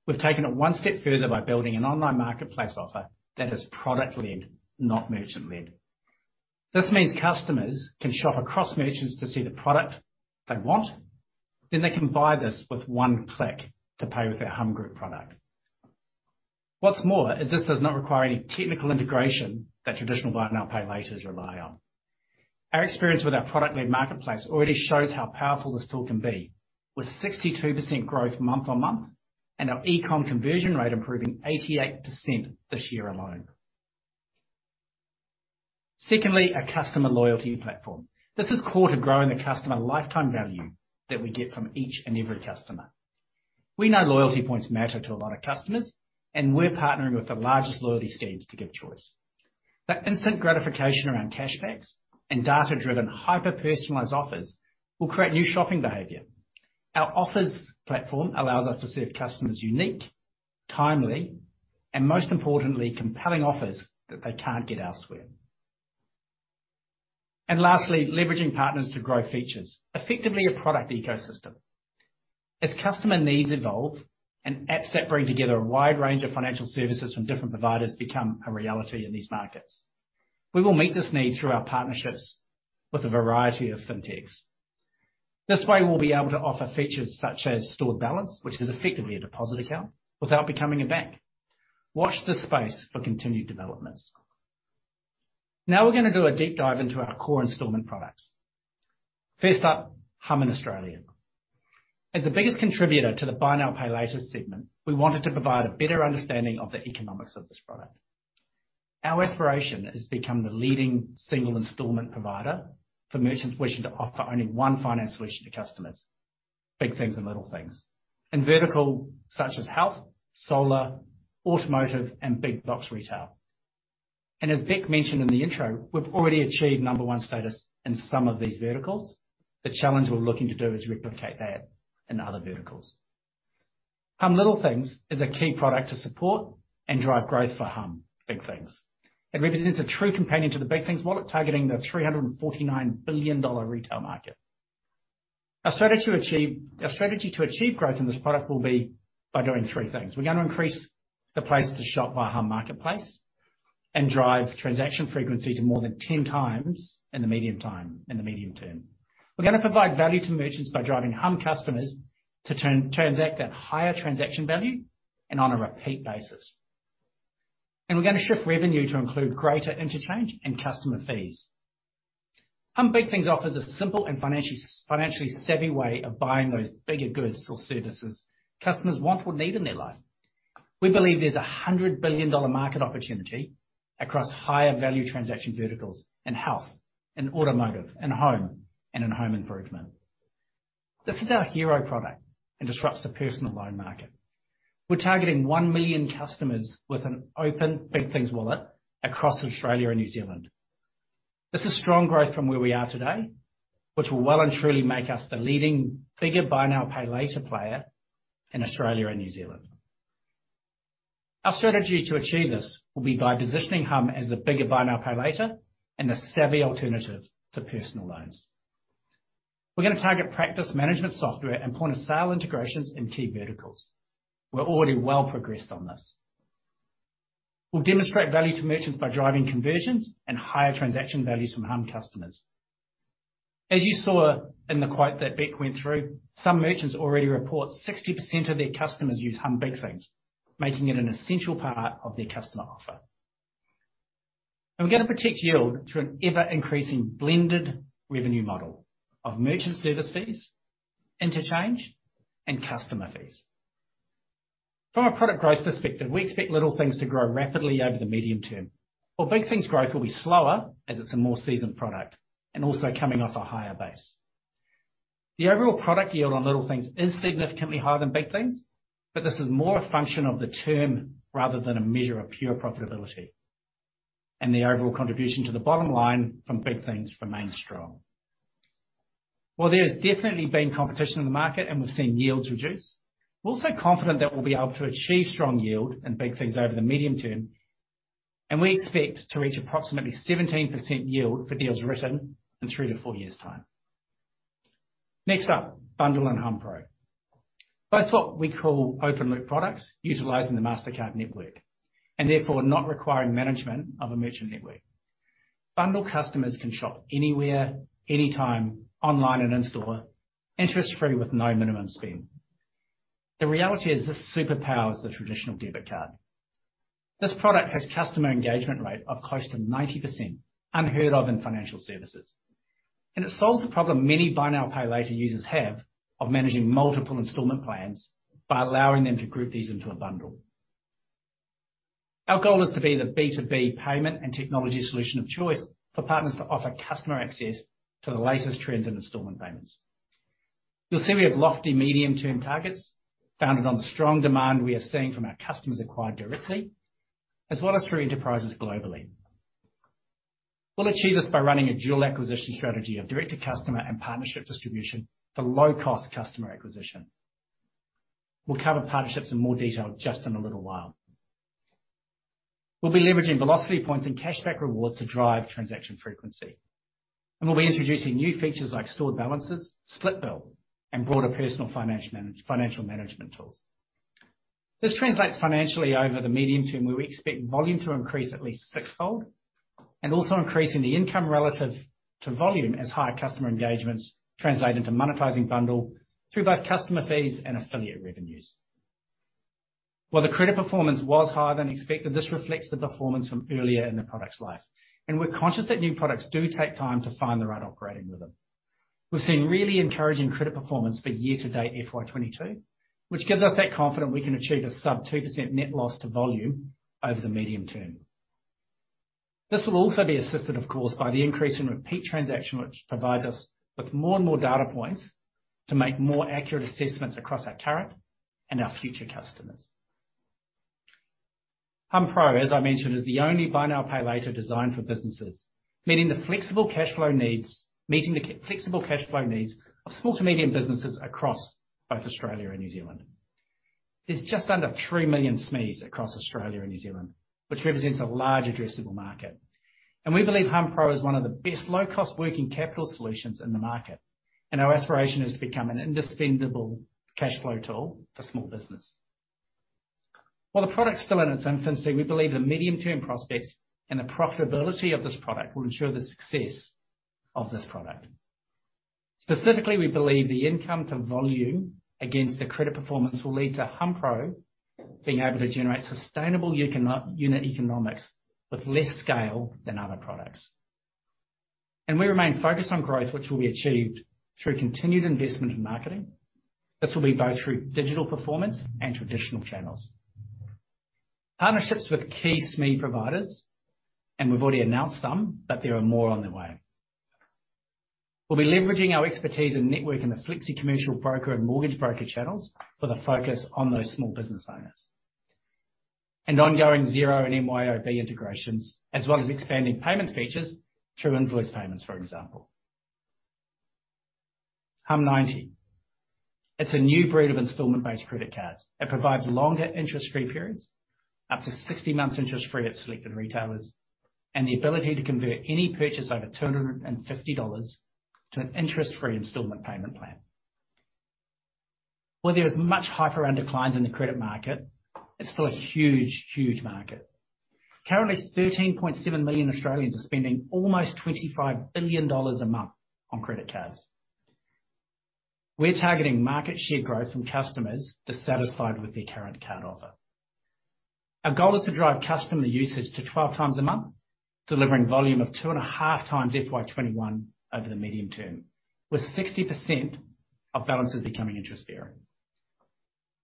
We've taken it one step further by building an online marketplace offer that is product-led, not merchant-led. This means customers can shop across merchants to see the product they want, then they can buy this with one click to pay with their Humm Group product. What's more is this does not require any technical integration that traditional buy now, pay laters rely on. Our experience with our product-led marketplace already shows how powerful this tool can be, with 62% growth month-on-month, and our e-com conversion rate improving 88% this year alone. Secondly, a customer loyalty platform. This is core to growing the customer lifetime value that we get from each and every customer. We know loyalty points matter to a lot of customers, and we're partnering with the largest loyalty schemes to give choice. That instant gratification around cashbacks and data-driven hyper-personalized offers will create new shopping behavior. Our offers platform allows us to serve customers unique, timely, and most importantly, compelling offers that they can't get elsewhere. Lastly, leveraging partners to grow features, effectively a product ecosystem. As customer needs evolve and apps that bring together a wide range of financial services from different providers become a reality in these markets, we will meet this need through our partnerships with a variety of fintechs. This way, we'll be able to offer features such as stored balance, which is effectively a deposit account, without becoming a bank. Watch this space for continued developments. Now we're gonna do a deep dive into our core installment products. First up, Humm in Australia. As the biggest contributor to the buy now, pay later segment, we wanted to provide a better understanding of the economics of this product. Our aspiration is to become the leading single installment provider for merchants wishing to offer only one finance solution to customers, Big things and Little things, in verticals such as health, solar, automotive, and big-box retail. As Beck mentioned in the intro, we've already achieved number one status in some of these verticals. The challenge we're looking to do is replicate that in other verticals. Humm Little things is a key product to support and drive growth for Humm Big things. It represents a true companion to the Big things wallet targeting the 349 billion dollar retail market. Our strategy to achieve growth in this product will be by doing three things. We're gonna increase the places to shop via Humm Marketplace and drive transaction frequency to more than 10 times in the medium term. We're gonna provide value to merchants by driving Humm customers to transact at higher transaction value and on a repeat basis. We're gonna shift revenue to include greater interchange and customer fees. humm Big things offers a simple and financially savvy way of buying those bigger goods or services customers want or need in their life. We believe there's a 100 billion dollar market opportunity across higher value transaction verticals in health, in automotive, in home, and in home improvement. This is our hero product and disrupts the personal loan market. We're targeting 1 million customers with an open Big things wallet across Australia and New Zealand. This is strong growth from where we are today, which will well and truly make us the leading bigger buy now, pay later player in Australia and New Zealand. Our strategy to achieve this will be by positioning Humm as the bigger buy now, pay later and the savvy alternative to personal loans. We're gonna target practice management software and point-of-sale integrations in key verticals. We're already well progressed on this. We'll demonstrate value to merchants by driving conversions and higher transaction values from Humm customers. As you saw in the quote that Beck went through, some merchants already report 60% of their customers use humm Big things, making it an essential part of their customer offer. We're gonna protect yield through an ever-increasing blended revenue model of merchant service fees, interchange, and customer fees. From a product growth perspective, we expect Little things to grow rapidly over the medium term, while Big things growth will be slower as it's a more seasoned product and also coming off a higher base. The overall product yield on Little things is significantly higher than Big things, but this is more a function of the term rather than a measure of pure profitability, and the overall contribution to the bottom line from Big things remains strong. While there has definitely been competition in the market and we've seen yields reduce, we're also confident that we'll be able to achieve strong yield in Big things over the medium term, and we expect to reach approximately 17% yield for deals written in three to four years' time. Next up, bundll and humm pro. Both what we call open loop products utilizing the Mastercard network, and therefore not requiring management of a merchant network. bundll customers can shop anywhere, anytime, online and in-store, interest-free with no minimum spend. The reality is this superpowers the traditional debit card. This product has customer engagement rate of close to 90%, unheard of in financial services. It solves the problem many buy now, pay later users have of managing multiple installment plans by allowing them to group these into a bundle. Our goal is to be the B2B payment and technology solution of choice for partners to offer customer access to the latest trends in installment payments. You'll see we have lofty medium-term targets founded on the strong demand we are seeing from our customers acquired directly, as well as through enterprises globally. We'll achieve this by running a dual acquisition strategy of direct-to-customer and partnership distribution for low-cost customer acquisition. We'll cover partnerships in more detail just in a little while. We'll be leveraging Velocity points and cashback rewards to drive transaction frequency. We'll be introducing new features like stored balances, split bill, and broader personal financial management tools. This translates financially over the medium term, where we expect volume to increase at least six-fold. Increasing the income relative to volume as higher customer engagements translate into monetizing bundll through both customer fees and affiliate revenues. While the credit performance was higher than expected, this reflects the performance from earlier in the product's life. We're conscious that new products do take time to find the right operating rhythm. We've seen really encouraging credit performance for year-to-date FY 2022, which gives us that confidence we can achieve a sub 2% net loss to volume over the medium term. This will also be assisted, of course, by the increase in repeat transaction, which provides us with more and more data points to make more accurate assessments across our current and our future customers. humm pro, as I mentioned, is the only buy now, pay later designed for businesses, meaning meeting the flexible cash flow needs of small to medium businesses across both Australia and New Zealand. There's just under 3 million SMEs across Australia and New Zealand, which represents a large addressable market. We believe humm pro is one of the best low-cost working capital solutions in the market. Our aspiration is to become an indispensable cash flow tool for small business. While the product's still in its infancy, we believe the medium-term prospects and the profitability of this product will ensure the success of this product. Specifically, we believe the income to volume against the credit performance will lead to humm pro being able to generate sustainable unit economics with less scale than other products. We remain focused on growth, which will be achieved through continued investment in marketing. This will be both through digital performance and traditional channels. Partnerships with key SME providers, and we've already announced some, but there are more on the way. We'll be leveraging our expertise and network in the FlexiCommercial broker and mortgage broker channels with a focus on those small business owners. Ongoing Xero and MYOB integrations, as well as expanding payment features through invoice payments, for example. humm90. It's a new breed of installment-based credit cards. It provides longer interest-free periods, up to 60 months interest-free at selected retailers, and the ability to convert any purchase over 250 dollars to an interest-free installment payment plan. While there is much hype around declines in the credit market, it's still a huge, huge market. Currently, 13.7 million Australians are spending almost 25 billion dollars a month on credit cards. We're targeting market share growth from customers dissatisfied with their current card offer. Our goal is to drive customer usage to 12 times a month, delivering volume of 2.5 times FY 2021 over the medium term, with 60% of balances becoming interest-bearing.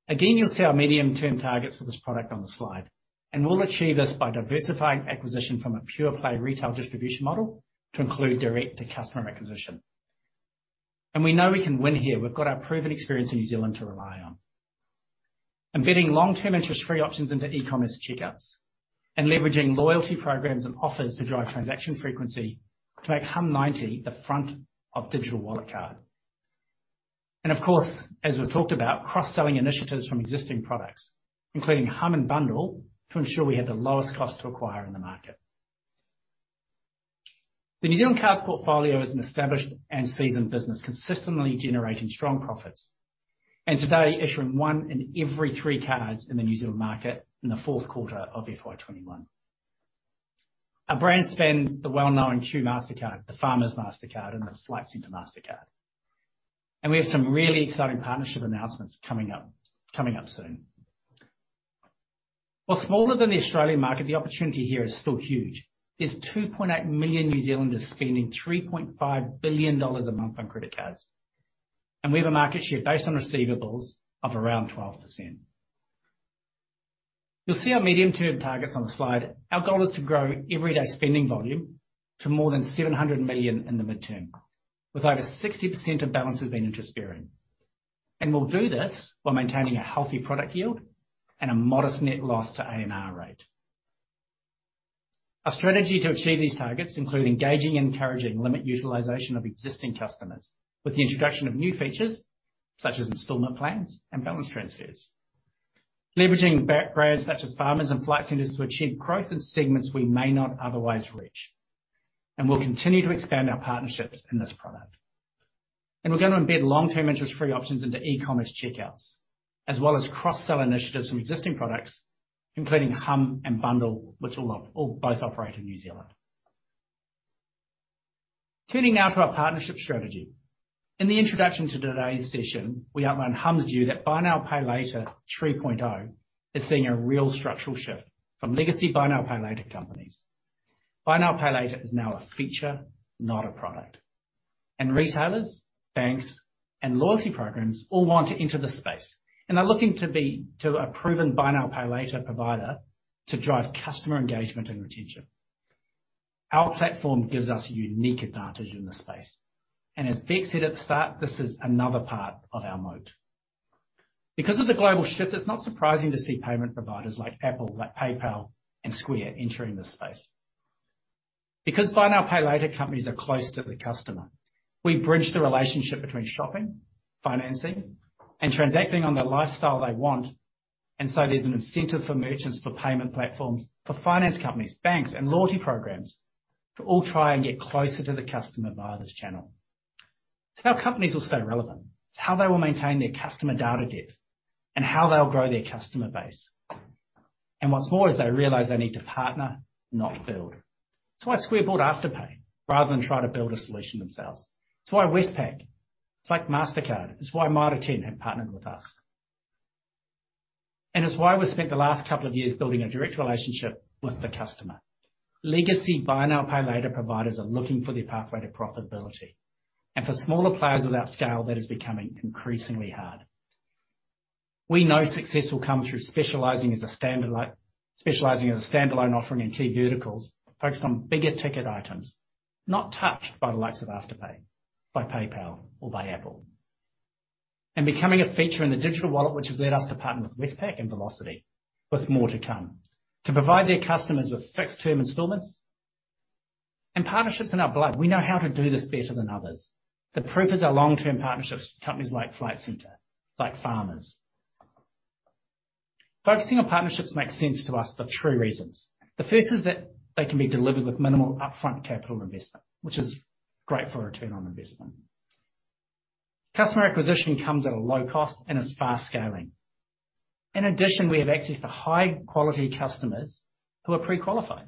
Again, you'll see our medium-term targets for this product on the slide, and we'll achieve this by diversifying acquisition from a pure-play retail distribution model to include direct-to-customer acquisition. We know we can win here. We've got our proven experience in New Zealand to rely on. Embedding long-term interest-free options into e-commerce checkouts and leveraging loyalty programs and offers to drive transaction frequency to make humm90 the front of digital wallet card. Of course, as we've talked about, cross-selling initiatives from existing products, including humm and bundll, to ensure we have the lowest cost to acquire in the market. The New Zealand Cards portfolio is an established and seasoned business, consistently generating strong profits. Today, issuing 1 in every 3 cards in the New Zealand market in the fourth quarter of FY 2021. Our brands span the well-known Q Mastercard, the Farmers Mastercard, and the Flight Centre Mastercard. We have some really exciting partnership announcements coming up soon. While smaller than the Australian market, the opportunity here is still huge. There's 2.8 million New Zealanders spending 3.5 billion dollars a month on credit cards. We have a market share based on receivables of around 12%. You'll see our medium-term targets on the slide. Our goal is to grow everyday spending volume to more than 700 million in the midterm, with over 60% of balances being interest-bearing. We'll do this while maintaining a healthy product yield and a modest net loss to A&R rate. Our strategy to achieve these targets include engaging and encouraging limit utilization of existing customers with the introduction of new features such as installment plans and balance transfers. Leveraging our brands such as Farmers and Flight Centre to achieve growth in segments we may not otherwise reach. We'll continue to expand our partnerships in this product. We're gonna embed long-term interest-free options into e-commerce checkouts, as well as cross-sell initiatives from existing products, including Humm and bundll, which will both operate in New Zealand. Turning now to our partnership strategy. In the introduction to today's session, we outlined Humm's view that buy now, pay later 3.0 is seeing a real structural shift from legacy buy now, pay later companies. Buy now, pay later is now a feature, not a product. Retailers, banks, and loyalty programs all want to enter this space and are looking to a proven buy now, pay later provider to drive customer engagement and retention. Our platform gives us unique advantage in this space, and as Bec said at the start, this is another part of our moat. Because of the global shift, it's not surprising to see payment providers like Apple, like PayPal and Square entering this space. Because buy now, pay later companies are close to the customer. We bridge the relationship between shopping, financing, and transacting on the lifestyle they want. There's an incentive for merchants, for payment platforms, for finance companies, banks and loyalty programs to all try and get closer to the customer via this channel. It's how companies will stay relevant. It's how they will maintain their customer data depth, and how they'll grow their customer base. What's more is they realize they need to partner, not build. It's why Square bought Afterpay rather than try to build a solution themselves. It's why Westpac, like Mastercard, have partnered with us. It's why Mitre 10 have partnered with us. It's why we spent the last couple of years building a direct relationship with the customer. Legacy buy now, pay later providers are looking for their pathway to profitability. For smaller players without scale, that is becoming increasingly hard. We know success will come through specializing as a standalone offering in key verticals focused on bigger ticket items, not touched by the likes of Afterpay, by PayPal or by Apple. Becoming a feature in the digital wallet, which has led us to partner with Westpac and Velocity, with more to come, to provide their customers with fixed-term installments and partnerships in our blood. We know how to do this better than others. The proof is our long-term partnerships with companies like Flight Centre, like Farmers. Focusing on partnerships makes sense to us for three reasons. The first is that they can be delivered with minimal upfront capital investment, which is great for return on investment. Customer acquisition comes at a low cost and is fast scaling. In addition, we have access to high-quality customers who are pre-qualified.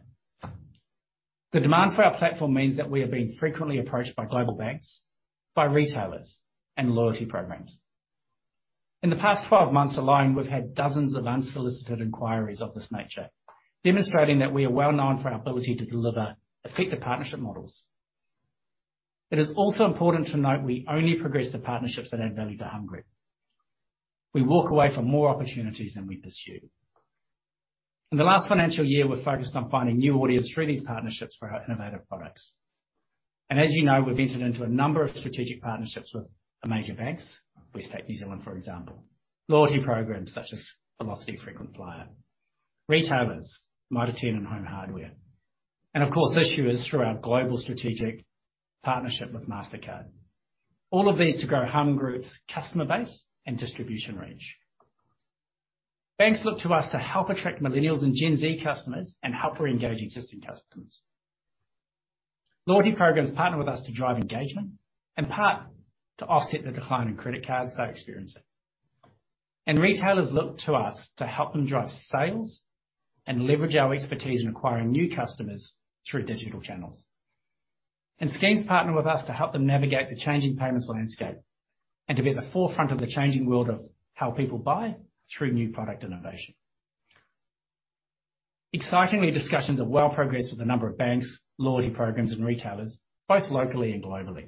The demand for our platform means that we are being frequently approached by global banks, by retailers and loyalty programs. In the past 12 months alone, we've had dozens of unsolicited inquiries of this nature, demonstrating that we are well-known for our ability to deliver effective partnership models. It is also important to note we only progress the partnerships that add value to Humm Group. We walk away from more opportunities than we pursue. In the last financial year, we're focused on finding new audience through these partnerships for our innovative products. As you know, we've entered into a number of strategic partnerships with the major banks, Westpac New Zealand, for example, loyalty programs such as Velocity Frequent Flyer, retailers, Mitre 10 and Home Hardware, and of course, issuers through our global strategic partnership with Mastercard. All of these to grow hummgroup's customer base and distribution range. Banks look to us to help attract millennials and Gen Z customers and help re-engage existing customers. Loyalty programs partner with us to drive engagement and in part to offset the decline in credit cards they're experiencing. Retailers look to us to help them drive sales and leverage our expertise in acquiring new customers through digital channels. Schemes partner with us to help them navigate the changing payments landscape and to be at the forefront of the changing world of how people buy through new product innovation. Excitingly, discussions are well progressed with a number of banks, loyalty programs, and retailers, both locally and globally.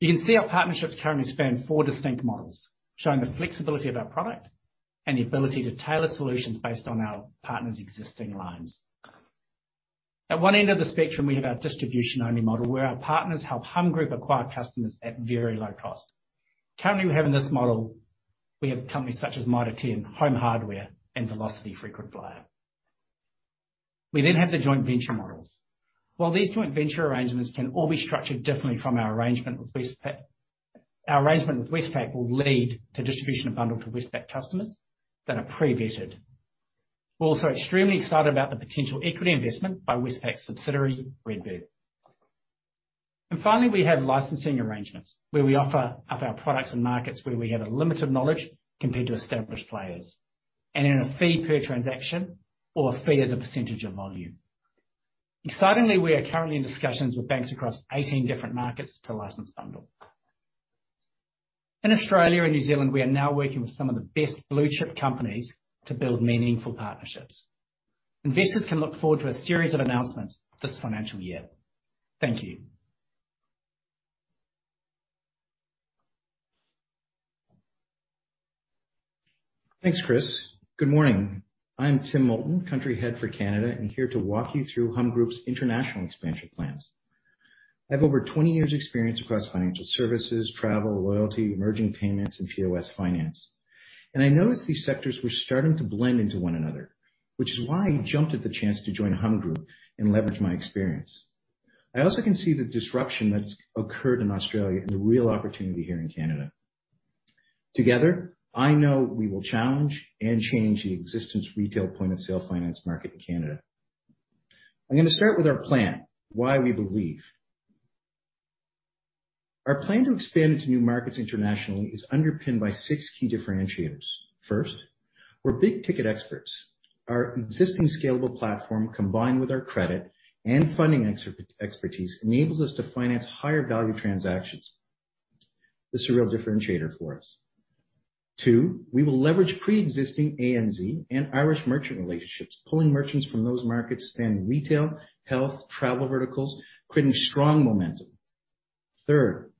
You can see our partnerships currently span four distinct models, showing the flexibility of our product and the ability to tailor solutions based on our partners' existing lines. At one end of the spectrum, we have our distribution-only model, where our partners help Humm Group acquire customers at very low cost. Currently, we have in this model companies such as Mitre 10, Home Hardware, and Velocity Frequent Flyer. We then have the joint venture models. While these joint venture arrangements can all be structured differently from our arrangement with Westpac, our arrangement with Westpac will lead to distribution of bundll to Westpac customers that are pre-vetted. We're also extremely excited about the potential equity investment by Westpac's subsidiary, Redbird. Finally, we have licensing arrangements where we offer up our products and markets where we have a limited knowledge compared to established players and in a fee per transaction or a fee as a percentage of volume. Excitingly, we are currently in discussions with banks across 18 different markets to license bundll. In Australia and New Zealand, we are now working with some of the best blue-chip companies to build meaningful partnerships. Investors can look forward to a series of announcements this financial year. Thank you. Thanks, Chris. Good morning. I'm Tim Moulton, Country Head for Canada, and here to walk you through Humm Group's international expansion plans. I have over 20 years' experience across financial services, travel, loyalty, emerging payments, and POS finance. I noticed these sectors were starting to blend into one another, which is why I jumped at the chance to join Humm Group and leverage my experience. I also can see the disruption that's occurred in Australia and the real opportunity here in Canada. Together, I know we will challenge and change the existing retail point-of-sale finance market in Canada. I'm gonna start with our plan, why we believe. Our plan to expand into new markets internationally is underpinned by 6 key differentiators. First, we're big-ticket experts. Our existing scalable platform, combined with our credit and funding expertise, enables us to finance higher value transactions. This is a real differentiator for us. Two, we will leverage pre-existing ANZ and Irish merchant relationships, pulling merchants from those markets, spanning retail, health, travel verticals, creating strong momentum. Third,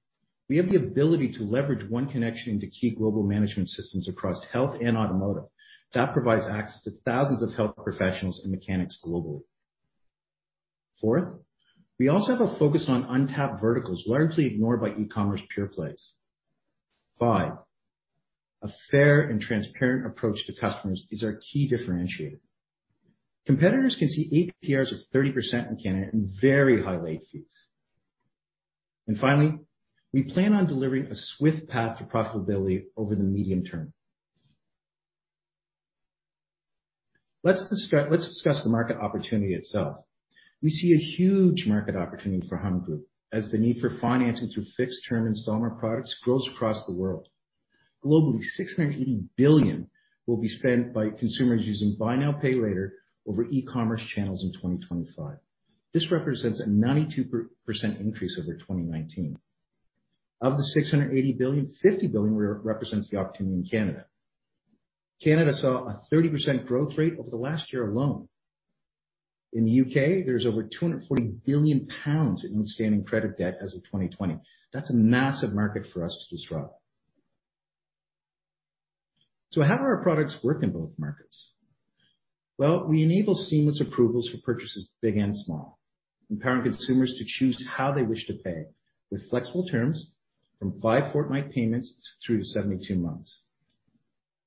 we have the ability to leverage one connection into key global management systems across health and automotive. That provides access to thousands of health professionals and mechanics globally. Fourth, we also have a focus on untapped verticals, largely ignored by e-commerce pure plays. Five, a fair and transparent approach to customers is our key differentiator. Competitors can see APRs of 30% in Canada and very high late fees. Finally, we plan on delivering a swift path to profitability over the medium term. Let's discuss the market opportunity itself. We see a huge market opportunity for Humm Group as the need for financing through fixed-term installment products grows across the world. Globally, $680 billion will be spent by consumers using buy now, pay later over e-commerce channels in 2025. This represents a 92% increase over 2019. Of the $680 billion, 50 billion represents the opportunity in Canada. Canada saw a 30% growth rate over the last year alone. In the U.K., there's over 240 billion pounds in outstanding credit debt as of 2020. That's a massive market for us to disrupt. How do our products work in both markets? Well, we enable seamless approvals for purchases big and small, empowering consumers to choose how they wish to pay with flexible terms from five fortnight payments through to 72 months.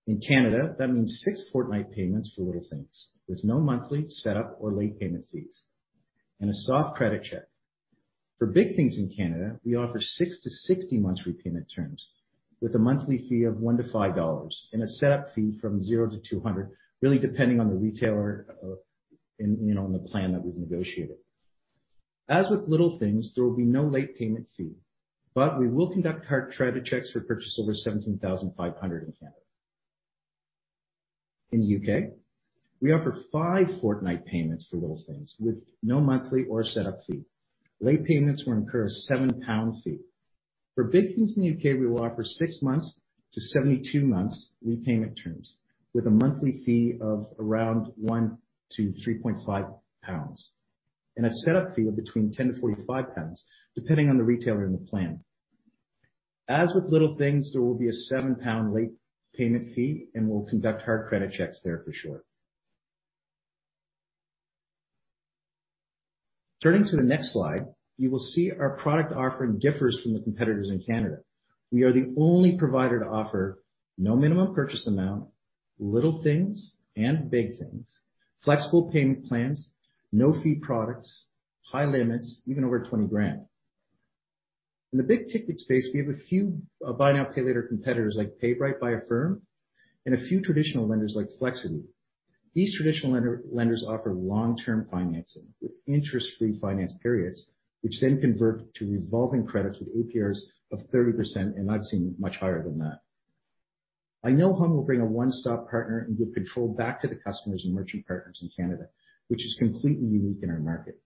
In Canada, that means six fortnight payments for little things with no monthly setup or late payment fees and a soft credit check. For Big things in Canada, we offer 6-60 months repayment terms with a monthly fee of 1-5 dollars and a setup fee from 0-200, really depending on the retailer, on the plan that we've negotiated. As with Little things, there will be no late payment fee, but we will conduct hard credit checks for purchases over 17,500 in Canada. In the U.K., we offer 5 fortnight payments for Little things with no monthly or setup fee. Late payments will incur a 7 pound fee. For Big things in the U.K., we will offer 6-72 months repayment terms with a monthly fee of around 1-3.5 pounds and a setup fee of between 10-45 pounds, depending on the retailer and the plan. As with little things, there will be a 7 pound late payment fee, and we'll conduct hard credit checks there for sure. Turning to the next slide, you will see our product offering differs from the competitors in Canada. We are the only provider to offer no minimum purchase amount, little things and big things, flexible payment plans, no-fee products, high limits, even over 20,000. In the big ticket space, we have a few buy now, pay later competitors like PayBright by Affirm and a few traditional lenders like Flexiti. These traditional lenders offer long-term financing with interest-free finance periods, which then convert to revolving credits with APRs of 30%, and I've seen much higher than that. I know Humm will bring a one-stop partner and give control back to the customers and merchant partners in Canada, which is completely unique in our market.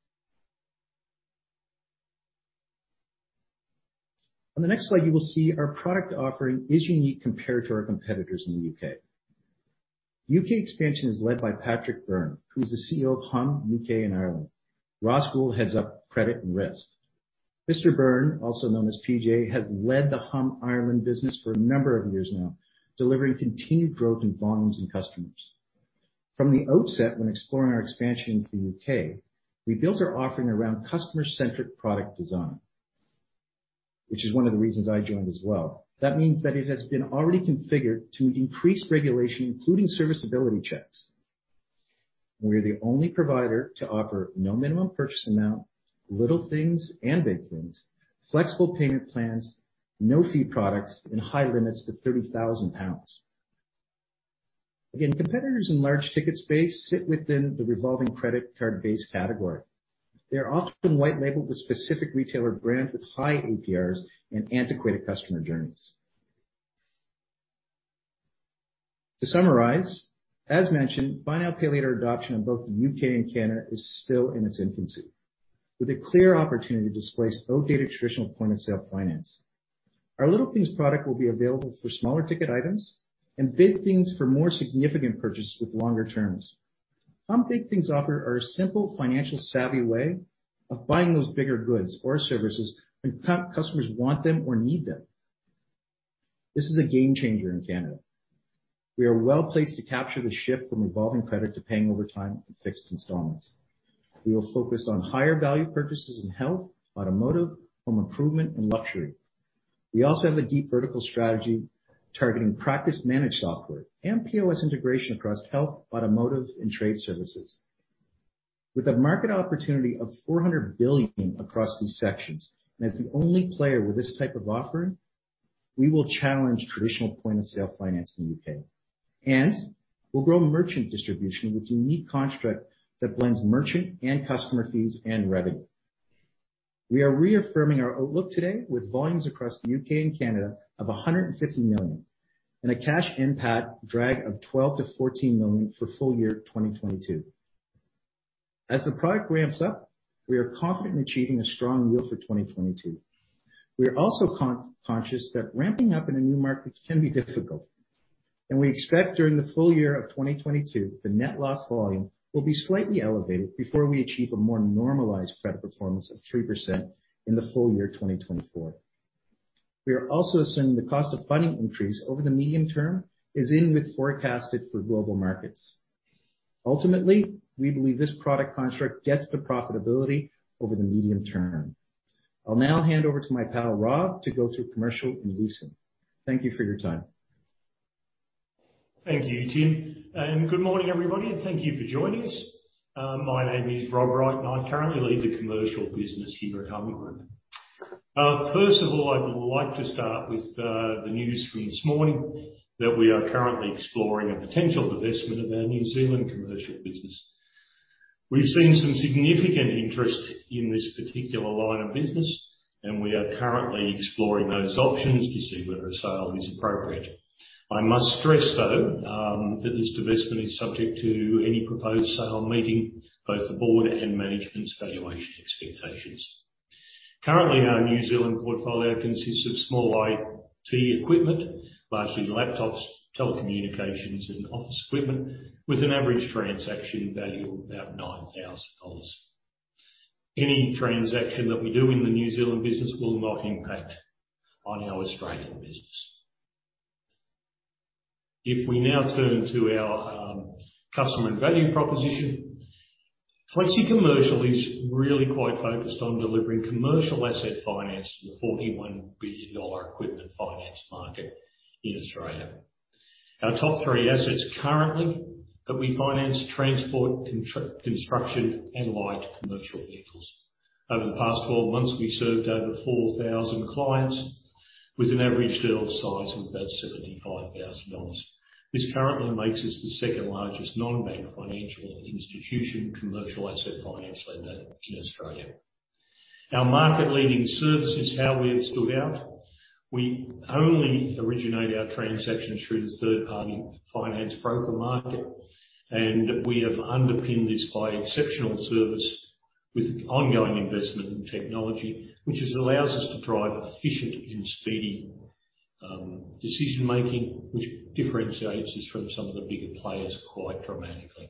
On the next slide, you will see our product offering is unique compared to our competitors in the U.K. U.K. expansion is led by Patrick Byrne, who's the CEO of Humm UK and Ireland. Ross Gould heads up credit and risk. Mr. Byrne, also known as PJ, has led the Humm Ireland business for a number of years now, delivering continued growth in volumes and customers. From the outset when exploring our expansion into the U.K., we built our offering around customer-centric product design, which is one of the reasons I joined as well. That means that it has been already configured to increase regulation, including serviceability checks. We are the only provider to offer no minimum purchase amount, little things and big things, flexible payment plans, no-fee products, and high limits to 30,000 pounds. Again, competitors in large ticket space sit within the revolving credit card-based category. They're often white-labeled with specific retailer brands with high APRs and antiquated customer journeys. To summarize, as mentioned, buy now, pay later adoption in both the U.K. and Canada is still in its infancy, with a clear opportunity to displace outdated traditional point-of-sale finance. Our Little things product will be available for smaller ticket items and Big things for more significant purchases with longer terms. humm big things offer is a simple financially savvy way of buying those bigger goods or services when customers want them or need them. This is a game changer in Canada. We are well placed to capture the shift from revolving credit to paying over time in fixed installments. We will focus on higher value purchases in health, automotive, home improvement and luxury. We also have a deep vertical strategy targeting practice management software and POS integration across health, automotive and trade services. With a market opportunity of 400 billion across these sectors, and as the only player with this type of offering, we will challenge traditional point-of-sale finance in the U.K. We'll grow merchant distribution with unique construct that blends merchant and customer fees and revenue. We are reaffirming our outlook today with volumes across the U.K. and Canada of 150 million and a cash NPAT drag of 12 million-14 million for full year 2022. As the product ramps up, we are confident in achieving a strong year for 2022. We are also conscious that ramping up in the new markets can be difficult, and we expect during the full year of 2022, the net loss volume will be slightly elevated before we achieve a more normalized credit performance of 3% in the full year 2024. We are also assuming the cost of funding increase over the medium term is in line with forecasts for global markets. Ultimately, we believe this product construct gets to profitability over the medium term. I'll now hand over to my Rob Wright to go through commercial and leasing. Thank you for your time. Thank you, Tim, and good morning, everybody, and thank you for joining us. My name is Rob Wright, and I currently lead the commercial business here at Humm Group. First of all, I would like to start with the news from this morning that we are currently exploring a potential divestment of our New Zealand commercial business. We've seen some significant interest in this particular line of business, and we are currently exploring those options to see whether a sale is appropriate. I must stress, though, that this divestment is subject to any proposed sale meeting both the board and management's valuation expectations. Currently, our New Zealand portfolio consists of small IT equipment, largely laptops, telecommunications, and office equipment, with an average transaction value of about 9,000 dollars. Any transaction that we do in the New Zealand business will not impact on our Australian business. If we now turn to our customer and value proposition, FlexiCommercial is really quite focused on delivering commercial asset finance to the 41 billion dollar equipment finance market in Australia. Our top three assets currently that we finance are transport, construction, and light commercial vehicles. Over the past 12 months, we served over 4,000 clients with an average deal size of about 75,000 dollars. This currently makes us the second-largest non-bank financial institution commercial asset finance lender in Australia. Our market-leading service is how we have stood out. We only originate our transactions through the third-party finance broker market. We have underpinned this by exceptional service with ongoing investment in technology, which allows us to drive efficient and speedy decision-making, which differentiates us from some of the bigger players quite dramatically.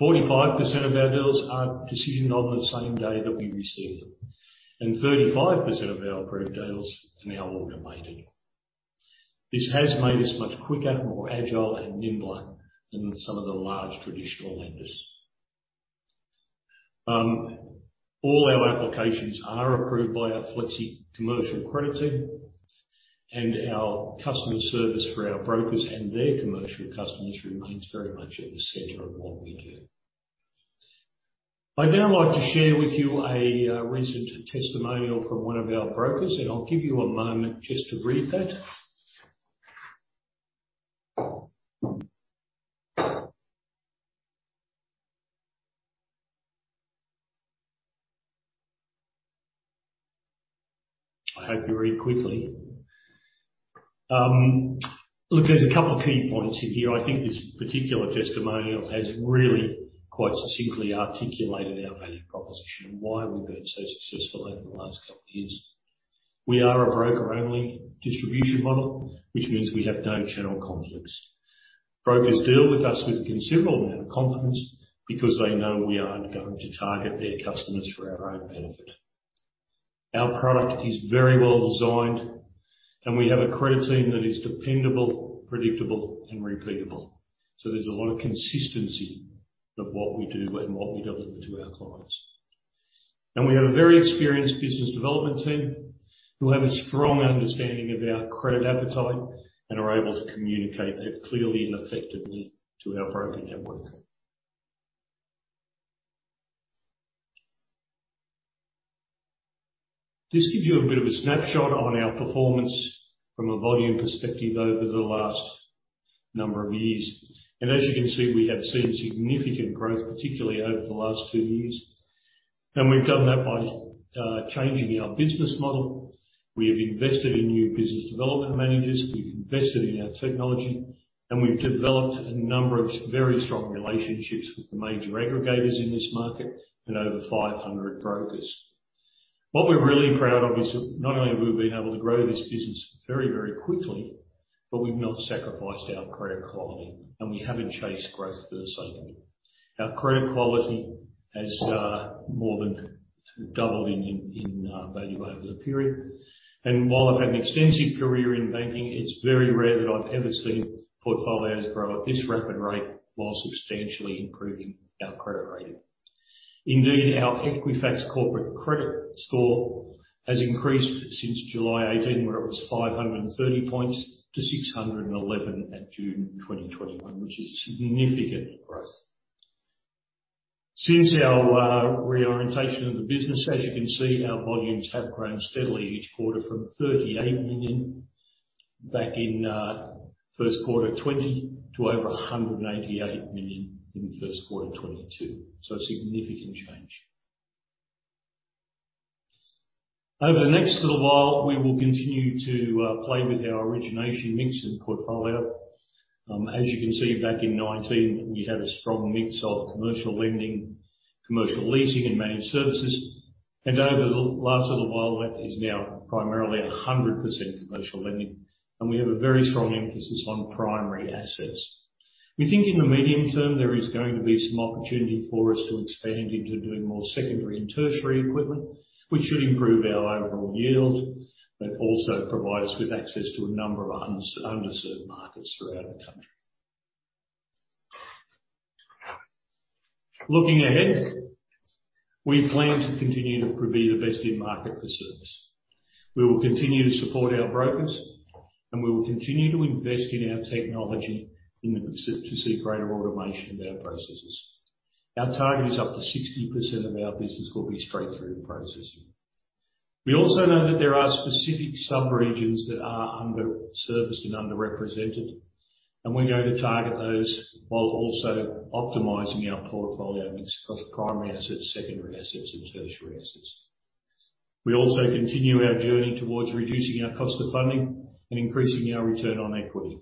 45% of our deals are decisioned on the same day that we receive them, and 35% of our approved deals are now automated. This has made us much quicker, more agile and nimbler than some of the large traditional lenders. All our applications are approved by our FlexiCommercial credit team, and our customer service for our brokers and their commercial customers remains very much at the center of what we do. I'd now like to share with you a recent testimonial from one of our brokers, and I'll give you a moment just to read that. I hope you read quickly. Look, there's a couple of key points in here. I think this particular testimonial has really quite succinctly articulated our value proposition and why we've been so successful over the last couple of years. We are a broker-only distribution model, which means we have no channel conflicts. Brokers deal with us with a considerable amount of confidence because they know we aren't going to target their customers for our own benefit. Our product is very well designed, and we have a credit team that is dependable, predictable, and repeatable. There's a lot of consistency of what we do and what we deliver to our clients. We have a very experienced business development team who have a strong understanding of our credit appetite and are able to communicate that clearly and effectively to our broker network. Just give you a bit of a snapshot on our performance from a volume perspective over the last number of years. As you can see, we have seen significant growth, particularly over the last two years. We've done that by changing our business model. We have invested in new business development managers, we've invested in our technology, and we've developed a number of very strong relationships with the major aggregators in this market and over 500 brokers. What we're really proud of is not only have we been able to grow this business very, very quickly, but we've not sacrificed our credit quality, and we haven't chased growth for the sake of it. Our credit quality has more than doubled in value over the period. While I've had an extensive career in banking, it's very rare that I've ever seen portfolios grow at this rapid rate while substantially improving our credit rating. Indeed, our Equifax corporate credit score has increased since July 2018, where it was 530 points to 611 at June 2021, which is significant growth. Since our reorientation of the business, as you can see, our volumes have grown steadily each quarter from 38 million back in first quarter 2020 to over 188 million in first quarter 2022. A significant change. Over the next little while, we will continue to play with our origination mix and portfolio. As you can see, back in 2019, we had a strong mix of commercial lending, commercial leasing, and managed services. Over the last little while, that is now primarily 100% commercial lending, and we have a very strong emphasis on primary assets. We think in the medium term, there is going to be some opportunity for us to expand into doing more secondary and tertiary equipment, which should improve our overall yield. That also provides us with access to a number of underserved markets throughout the country. Looking ahead, we plan to continue to provide the best in market for service. We will continue to support our brokers, and we will continue to invest in our technology to seek greater automation of our processes. Our target is up to 60% of our business will be straight-through processing. We also know that there are specific sub-regions that are under-serviced and underrepresented, and we're going to target those while also optimizing our portfolio mix across primary assets, secondary assets, and tertiary assets. We also continue our journey towards reducing our cost of funding and increasing our return on equity.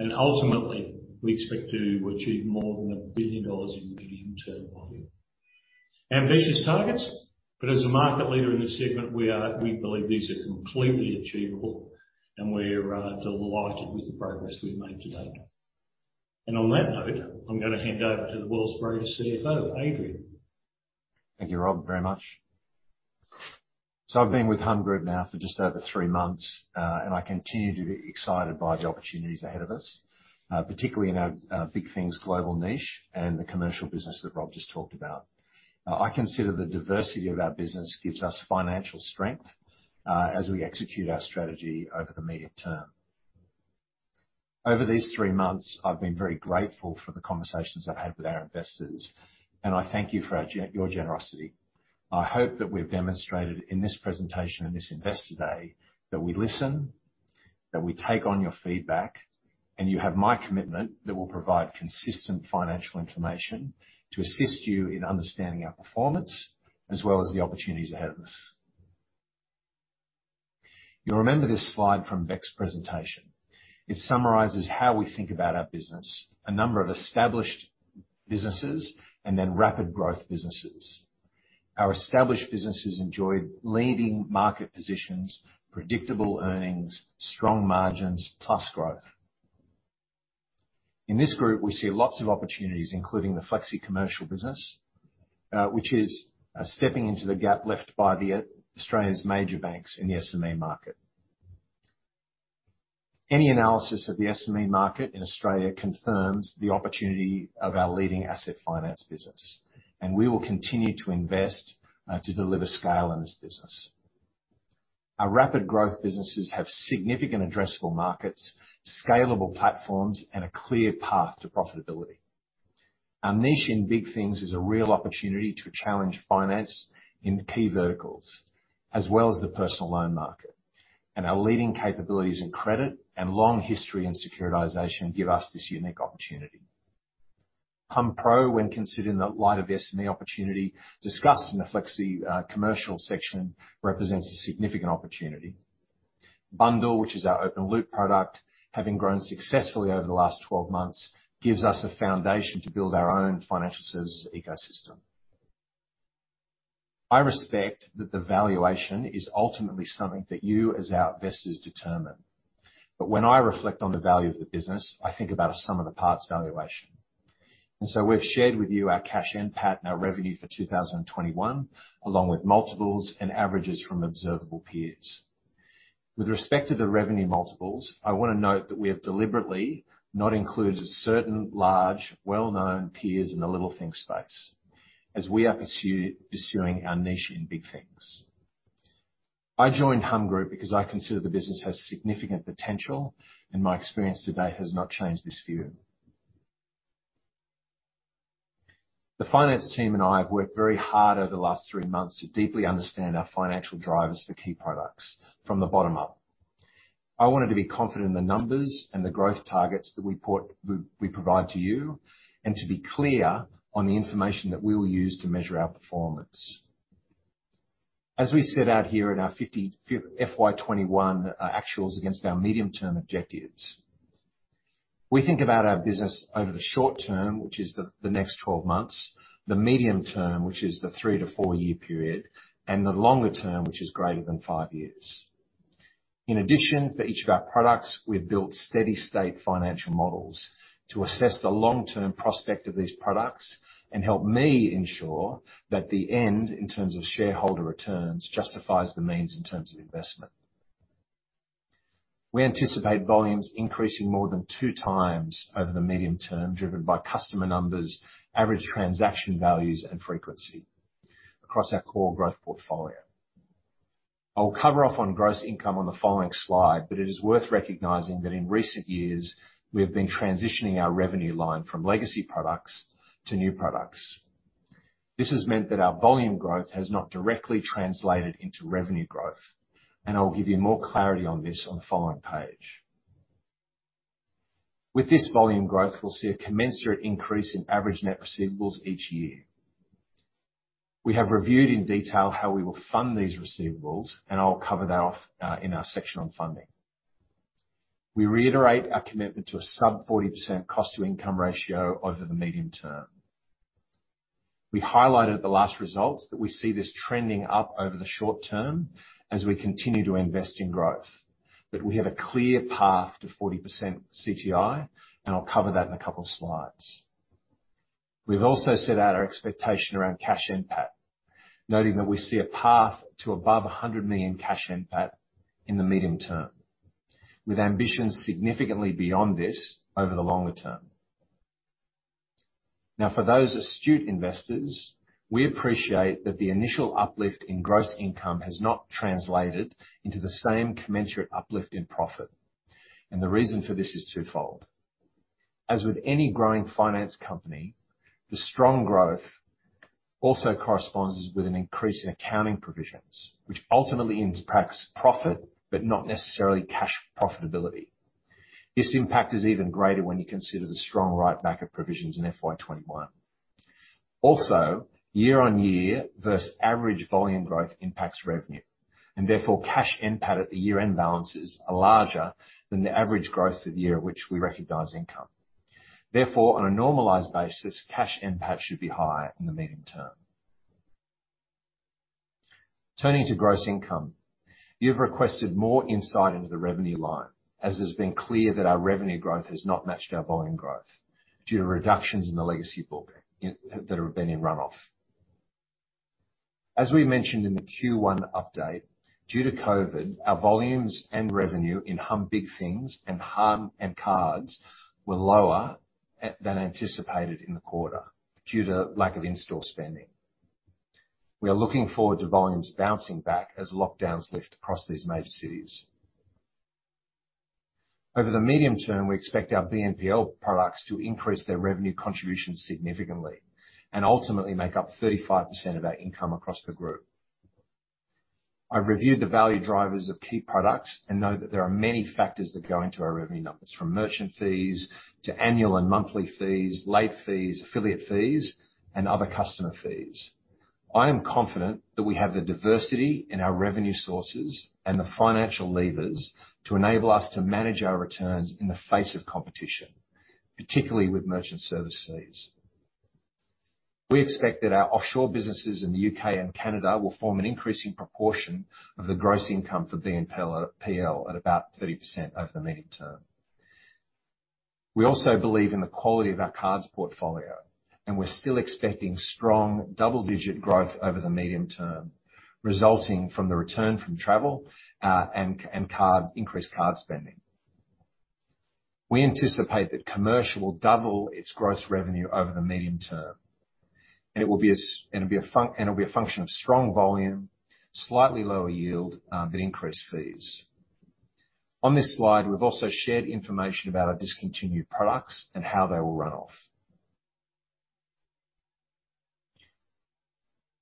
Ultimately, we expect to achieve more than 1 billion dollars in medium-term volume. Ambitious targets, but as a market leader in this segment, we believe these are completely achievable, and we're delighted with the progress we've made to date. On that note, I'm gonna hand over to the Humm Group CFO, Adrian Fisk. Thank you, Rob, very much. I've been with Humm Group now for just over three months, and I continue to be excited by the opportunities ahead of us, particularly in our Big Things Global niche and the commercial business that Rob just talked about. I consider the diversity of our business gives us financial strength, as we execute our strategy over the medium term. Over these three months, I've been very grateful for the conversations I've had with our investors, and I thank you for your generosity. I hope that we've demonstrated in this presentation and this Investor Day that we listen, that we take on your feedback, and you have my commitment that we'll provide consistent financial information to assist you in understanding our performance as well as the opportunities ahead of us. You'll remember this slide from Bec's presentation. It summarizes how we think about our business, a number of established businesses and then rapid growth businesses. Our established businesses enjoy leading market positions, predictable earnings, strong margins, plus growth. In this group, we see lots of opportunities, including the FlexiCommercial business, which is stepping into the gap left by Australia's major banks in the SME market. Any analysis of the SME market in Australia confirms the opportunity of our leading asset finance business, and we will continue to invest to deliver scale in this business. Our rapid growth businesses have significant addressable markets, scalable platforms, and a clear path to profitability. Our niche in Big Things is a real opportunity to challenge finance in the key verticals as well as the personal loan market. Our leading capabilities in credit and long history in securitization give us this unique opportunity. humm pro, when considered in the light of the SME opportunity discussed in the FlexiCommercial section, represents a significant opportunity. bundll, which is our open loop product, having grown successfully over the last 12 months, gives us a foundation to build our own financial services ecosystem. I respect that the valuation is ultimately something that you, as our investors, determine. When I reflect on the value of the business, I think about a sum of the parts valuation. We've shared with you our cash NPAT and our revenue for 2021, along with multiples and averages from observable peers. With respect to the revenue multiples, I wanna note that we have deliberately not included certain large, well-known peers in the BNPL space as we are pursuing our niche in Big things. I joined Humm Group because I consider the business has significant potential, and my experience to date has not changed this view. The finance team and I have worked very hard over the last 3 months to deeply understand our financial drivers for key products from the bottom up. I wanted to be confident in the numbers and the growth targets that we provide to you and to be clear on the information that we'll use to measure our performance. As we set out here in our FY 2021 actuals against our medium-term objectives. We think about our business over the short term, which is the next 12 months, the medium term, which is the 3-4-year period, and the longer term, which is greater than 5 years. In addition, for each of our products, we've built steady state financial models to assess the long-term prospect of these products and help me ensure that the end, in terms of shareholder returns, justifies the means in terms of investment. We anticipate volumes increasing more than two times over the medium term, driven by customer numbers, average transaction values, and frequency across our core growth portfolio. I'll cover off on gross income on the following slide, but it is worth recognizing that in recent years, we have been transitioning our revenue line from legacy products to new products. This has meant that our volume growth has not directly translated into revenue growth, and I'll give you more clarity on this on the following page. With this volume growth, we'll see a commensurate increase in average net receivables each year. We have reviewed in detail how we will fund these receivables, and I'll cover that off in our section on funding. We reiterate our commitment to a sub 40% cost-to-income ratio over the medium term. We highlighted at the last results that we see this trending up over the short term as we continue to invest in growth. We have a clear path to 40% CTI, and I'll cover that in a couple slides. We've also set out our expectation around cash NPAT, noting that we see a path to above 100 million cash NPAT in the medium term. With ambitions significantly beyond this over the longer term. Now, for those astute investors, we appreciate that the initial uplift in gross income has not translated into the same commensurate uplift in profit. The reason for this is twofold. As with any growing finance company, the strong growth also corresponds with an increase in accounting provisions, which ultimately impacts profit, but not necessarily cash profitability. This impact is even greater when you consider the strong write back of provisions in FY 2021. Also, year-on-year versus average volume growth impacts revenue, and therefore cash NPAT at the year-end balances are larger than the average growth through the year at which we recognize income. Therefore, on a normalized basis, cash NPAT should be higher in the medium term. Turning to gross income. You've requested more insight into the revenue line, as it's been clear that our revenue growth has not matched our volume growth due to reductions in the legacy book, that have been in runoff. As we mentioned in the Q1 update, due to COVID, our volumes and revenue in humm Big things and humm and cards were lower than anticipated in the quarter due to lack of in-store spending. We are looking forward to volumes bouncing back as lockdowns lift across these major cities. Over the medium term, we expect our BNPL products to increase their revenue contribution significantly and ultimately make up 35% of our income across the group. I've reviewed the value drivers of key products and know that there are many factors that go into our revenue numbers, from merchant fees to annual and monthly fees, late fees, affiliate fees, and other customer fees. I am confident that we have the diversity in our revenue sources and the financial levers to enable us to manage our returns in the face of competition, particularly with merchant service fees. We expect that our offshore businesses in the U.K. and Canada will form an increasing proportion of the gross income for BNPL at about 30% over the medium term. We also believe in the quality of our cards portfolio, and we're still expecting strong double-digit growth over the medium term, resulting from the return from travel and increased card spending. We anticipate that Commercial will double its gross revenue over the medium term, and it will be a function of strong volume, slightly lower yield, but increased fees. On this slide, we've also shared information about our discontinued products and how they will run off.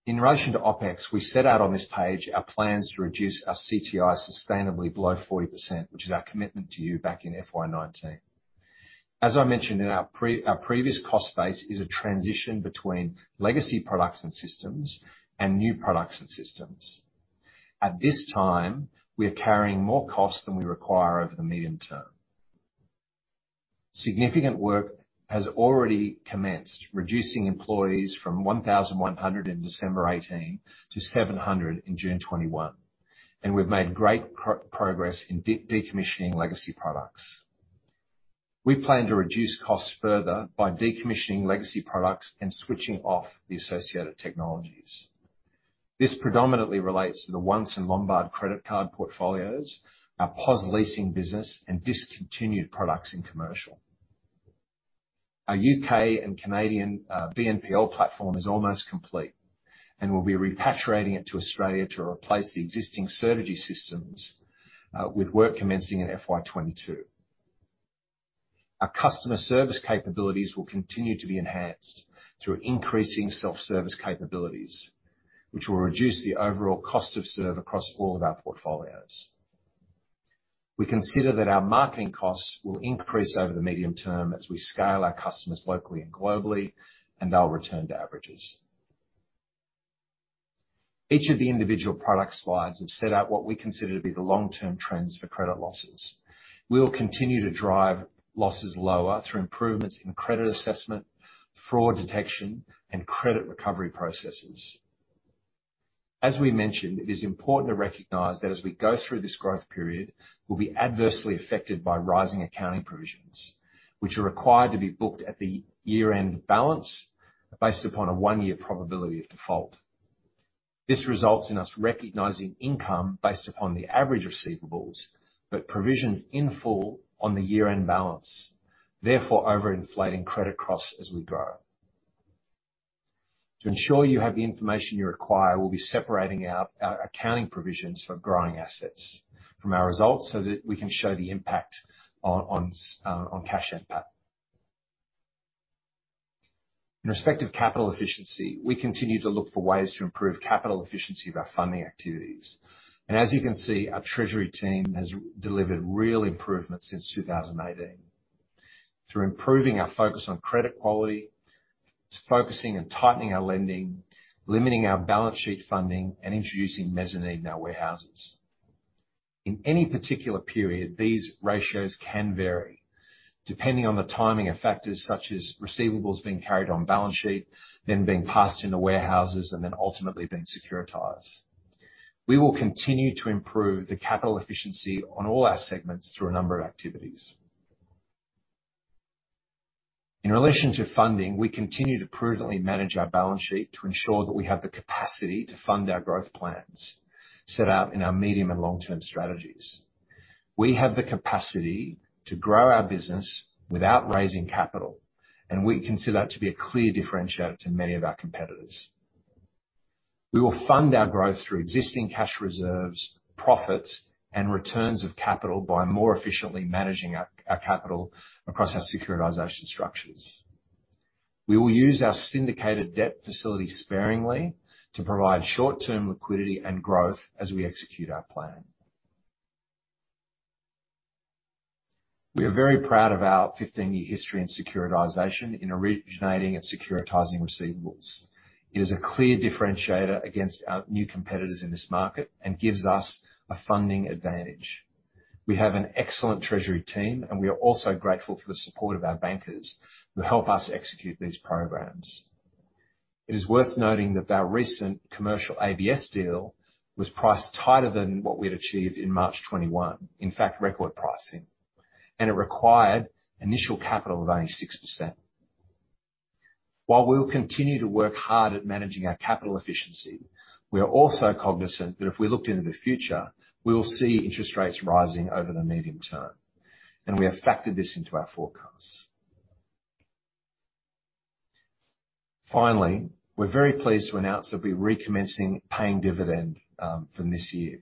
In relation to OpEx, we set out on this page our plans to reduce our CTI sustainably below 40%, which is our commitment to you back in FY 2019. As I mentioned in our previous cost base is a transition between legacy products and systems and new products and systems. At this time, we are carrying more costs than we require over the medium term. Significant work has already commenced, reducing employees from 1,100 in December 2018 to 700 in June 2021, and we've made great progress in decommissioning legacy products. We plan to reduce costs further by decommissioning legacy products and switching off the associated technologies. This predominantly relates to the Once and Lombard credit card portfolios, our POS leasing business, and discontinued products in commercial. Our U.K. and Canadian BNPL platform is almost complete, and we'll be repatriating it to Australia to replace the existing Certegy systems, with work commencing in FY 2022. Our customer service capabilities will continue to be enhanced through increasing self-service capabilities, which will reduce the overall cost to serve across all of our portfolios. We consider that our marketing costs will increase over the medium term as we scale our customers locally and globally, and they'll return to averages. Each of the individual product slides have set out what we consider to be the long-term trends for credit losses. We'll continue to drive losses lower through improvements in credit assessment, fraud detection, and credit recovery processes. As we mentioned, it is important to recognize that as we go through this growth period, we'll be adversely affected by rising accounting provisions, which are required to be booked at the year-end balance based upon a one-year probability of default. This results in us recognizing income based upon the average receivables, but provisions in full on the year-end balance, therefore over-inflating credit costs as we grow. To ensure you have the information you require, we'll be separating out our accounting provisions for growing assets from our results so that we can show the impact on cash NPAT. In respect of capital efficiency, we continue to look for ways to improve capital efficiency of our funding activities. As you can see, our treasury team has delivered real improvement since 2018. Through improving our focus on credit quality, to focusing and tightening our lending, limiting our balance sheet funding, and introducing mezzanine in our warehouses. In any particular period, these ratios can vary depending on the timing of factors such as receivables being carried on balance sheet, then being passed into warehouses, and then ultimately being securitized. We will continue to improve the capital efficiency on all our segments through a number of activities. In relation to funding, we continue to prudently manage our balance sheet to ensure that we have the capacity to fund our growth plans set out in our medium and long-term strategies. We have the capacity to grow our business without raising capital, and we consider that to be a clear differentiator to many of our competitors. We will fund our growth through existing cash reserves, profits, and returns of capital by more efficiently managing our capital across our securitization structures. We will use our syndicated debt facility sparingly to provide short-term liquidity and growth as we execute our plan. We are very proud of our 15-year history in securitization in originating and securitizing receivables. It is a clear differentiator against our new competitors in this market and gives us a funding advantage. We have an excellent treasury team, and we are also grateful for the support of our bankers who help us execute these programs. It is worth noting that our recent commercial ABS deal was priced tighter than what we had achieved in March 2021. In fact, record pricing. It required initial capital of only 6%. While we will continue to work hard at managing our capital efficiency, we are also cognizant that if we looked into the future, we will see interest rates rising over the medium term, and we have factored this into our forecasts. Finally, we're very pleased to announce that we're recommencing paying dividend from this year.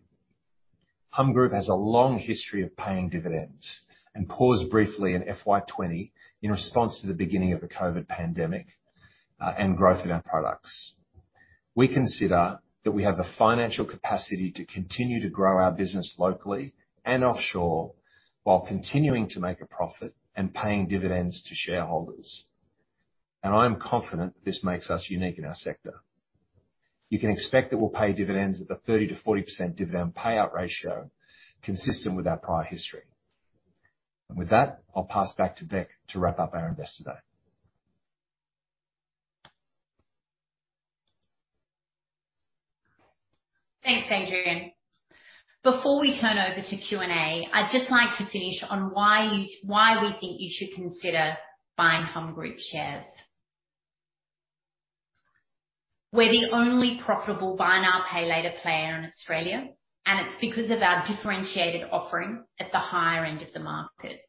Humm Group has a long history of paying dividends and paused briefly in FY 2020 in response to the beginning of the COVID pandemic and growth in our products. We consider that we have the financial capacity to continue to grow our business locally and offshore while continuing to make a profit and paying dividends to shareholders. I am confident that this makes us unique in our sector. You can expect that we'll pay dividends at the 30%-40% dividend payout ratio consistent with our prior history. With that, I'll pass back to Bec to wrap up our investor day. Thanks, Adrian. Before we turn over to Q&A, I'd just like to finish on why we think you should consider buying Humm Group shares. We're the only profitable buy now, pay later player in Australia, and it's because of our differentiated offering at the higher end of the market.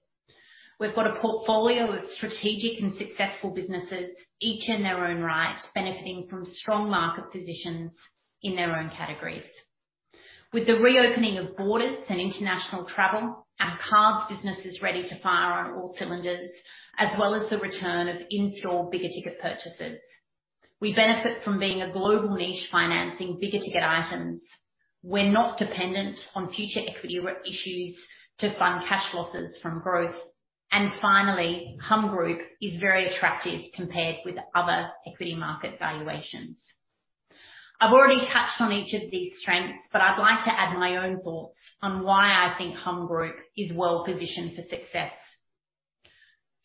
We've got a portfolio of strategic and successful businesses, each in their own right, benefiting from strong market positions in their own categories. With the reopening of borders and international travel, our cards business is ready to fire on all cylinders, as well as the return of in-store bigger ticket purchases. We benefit from being a global niche financing bigger ticket items. We're not dependent on future equity raises to fund cash losses from growth. Finally, Humm Group is very attractive compared with other equity market valuations. I've already touched on each of these strengths, but I'd like to add my own thoughts on why I think Humm Group is well positioned for success.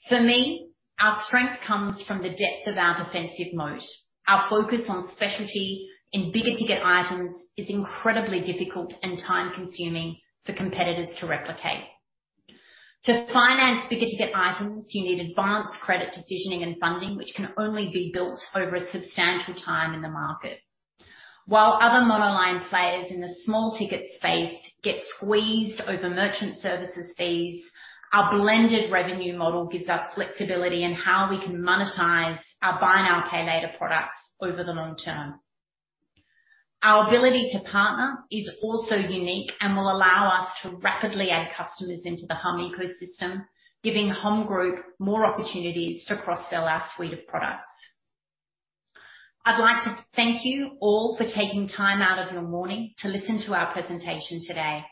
For me, our strength comes from the depth of our defensive moat. Our focus on specialty and bigger ticket items is incredibly difficult and time-consuming for competitors to replicate. To finance bigger ticket items, you need advanced credit decisioning and funding, which can only be built over a substantial time in the market. While other monoline players in the small ticket space get squeezed over merchant services fees, our blended revenue model gives us flexibility in how we can monetize our buy now, pay later products over the long term. Our ability to partner is also unique and will allow us to rapidly add customers into the Humm ecosystem, giving Humm Group more opportunities to cross-sell our suite of products. I'd like to thank you all for taking time out of your morning to listen to our presentation today.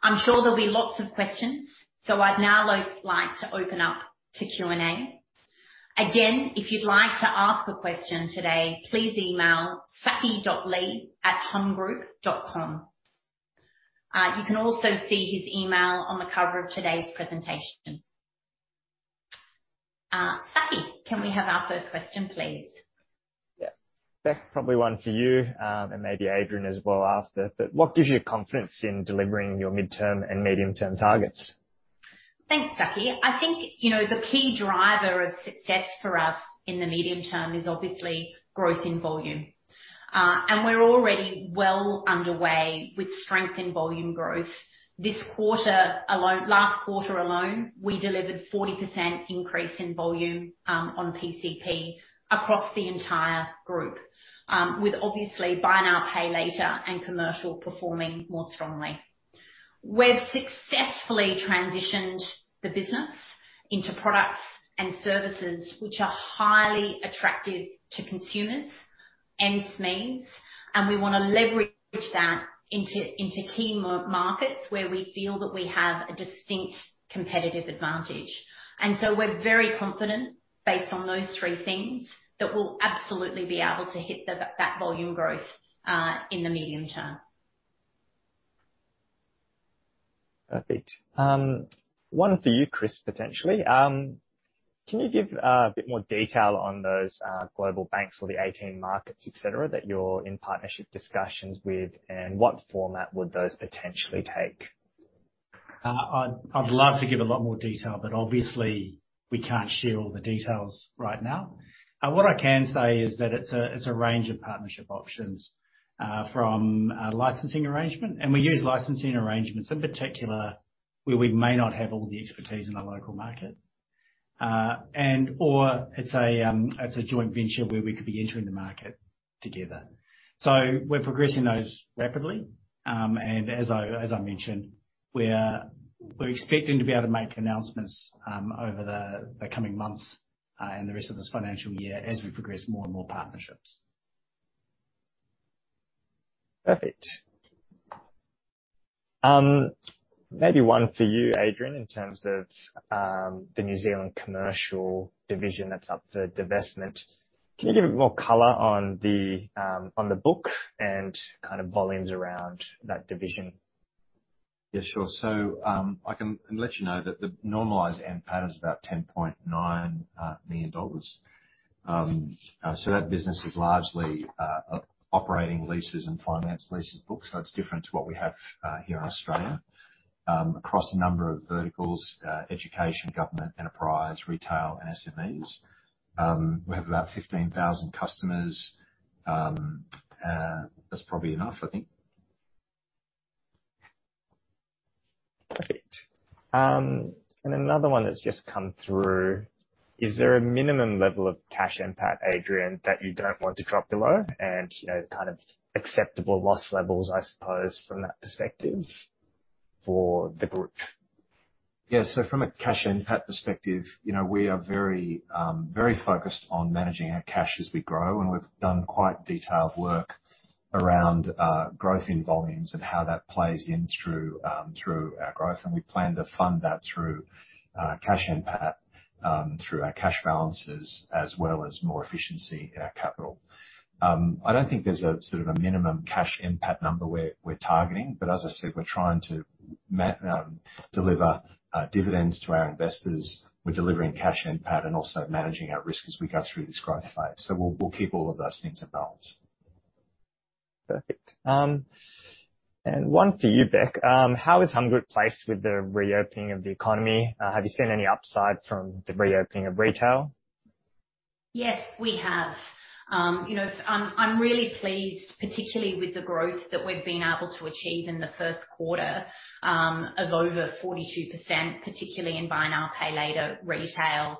I'm sure there'll be lots of questions, so I'd now like to open up to Q&A. Again, if you'd like to ask a question today, please email saki.lee@hummgroup.com. You can also see his email on the cover of today's presentation. Saki, can we have our first question, please? Yes. Bec, probably one for you, and maybe Adrian as well after. What gives you confidence in delivering your midterm and medium-term targets? Thanks, Saki. I think, you know, the key driver of success for us in the medium term is obviously growth in volume. We're already well underway with strength in volume growth. Last quarter alone, we delivered 40% increase in volume on PCP across the entire group with obviously buy now, pay later and commercial performing more strongly. We've successfully transitioned the business into products and services which are highly attractive to consumers and SMEs, and we wanna leverage that into key markets where we feel that we have a distinct competitive advantage. We're very confident based on those three things that we'll absolutely be able to hit that volume growth in the medium term. Perfect. One for you, Chris, potentially. Can you give a bit more detail on those global banks or the 18 markets, et cetera, that you're in partnership discussions with, and what format would those potentially take? I'd love to give a lot more detail, but obviously we can't share all the details right now. What I can say is that it's a range of partnership options from a licensing arrangement. We use licensing arrangements in particular where we may not have all the expertise in the local market. Or it's a joint venture where we could be entering the market together. We're progressing those rapidly. As I mentioned, we're expecting to be able to make announcements over the coming months and the rest of this financial year as we progress more and more partnerships. Perfect. Maybe one for you, Adrian. In terms of the New Zealand commercial division that's up for divestment. Can you give a bit more color on the book and kind of volumes around that division? Yeah, sure. I can let you know that the normalized NPAT is about 10.9 million dollars. That business is largely operating leases and finance leases books, so it's different to what we have here in Australia. Across a number of verticals, education, government, enterprise, retail and SMEs. We have about 15,000 customers. That's probably enough, I think. Perfect. Another one that's just come through. Is there a minimum level of cash NPAT, Adrian, that you don't want to drop below and, you know, kind of acceptable loss levels, I suppose, from that perspective for the group? Yeah. From a cash NPAT perspective, you know, we are very, very focused on managing our cash as we grow, and we've done quite detailed work around, growth in volumes and how that plays in through our growth. We plan to fund that through, cash NPAT, through our cash balances as well as more efficiency in our capital. I don't think there's a sort of a minimum cash NPAT number we're targeting, but as I said, we're trying to deliver dividends to our investors. We're delivering cash NPAT and also managing our risk as we go through this growth phase. We'll keep all of those things in balance. Perfect. One for you, Bec. How is Humm Group placed with the reopening of the economy? Have you seen any upside from the reopening of retail? Yes, we have. You know, I'm really pleased, particularly with the growth that we've been able to achieve in the first quarter of over 42%, particularly in buy now, pay later retail,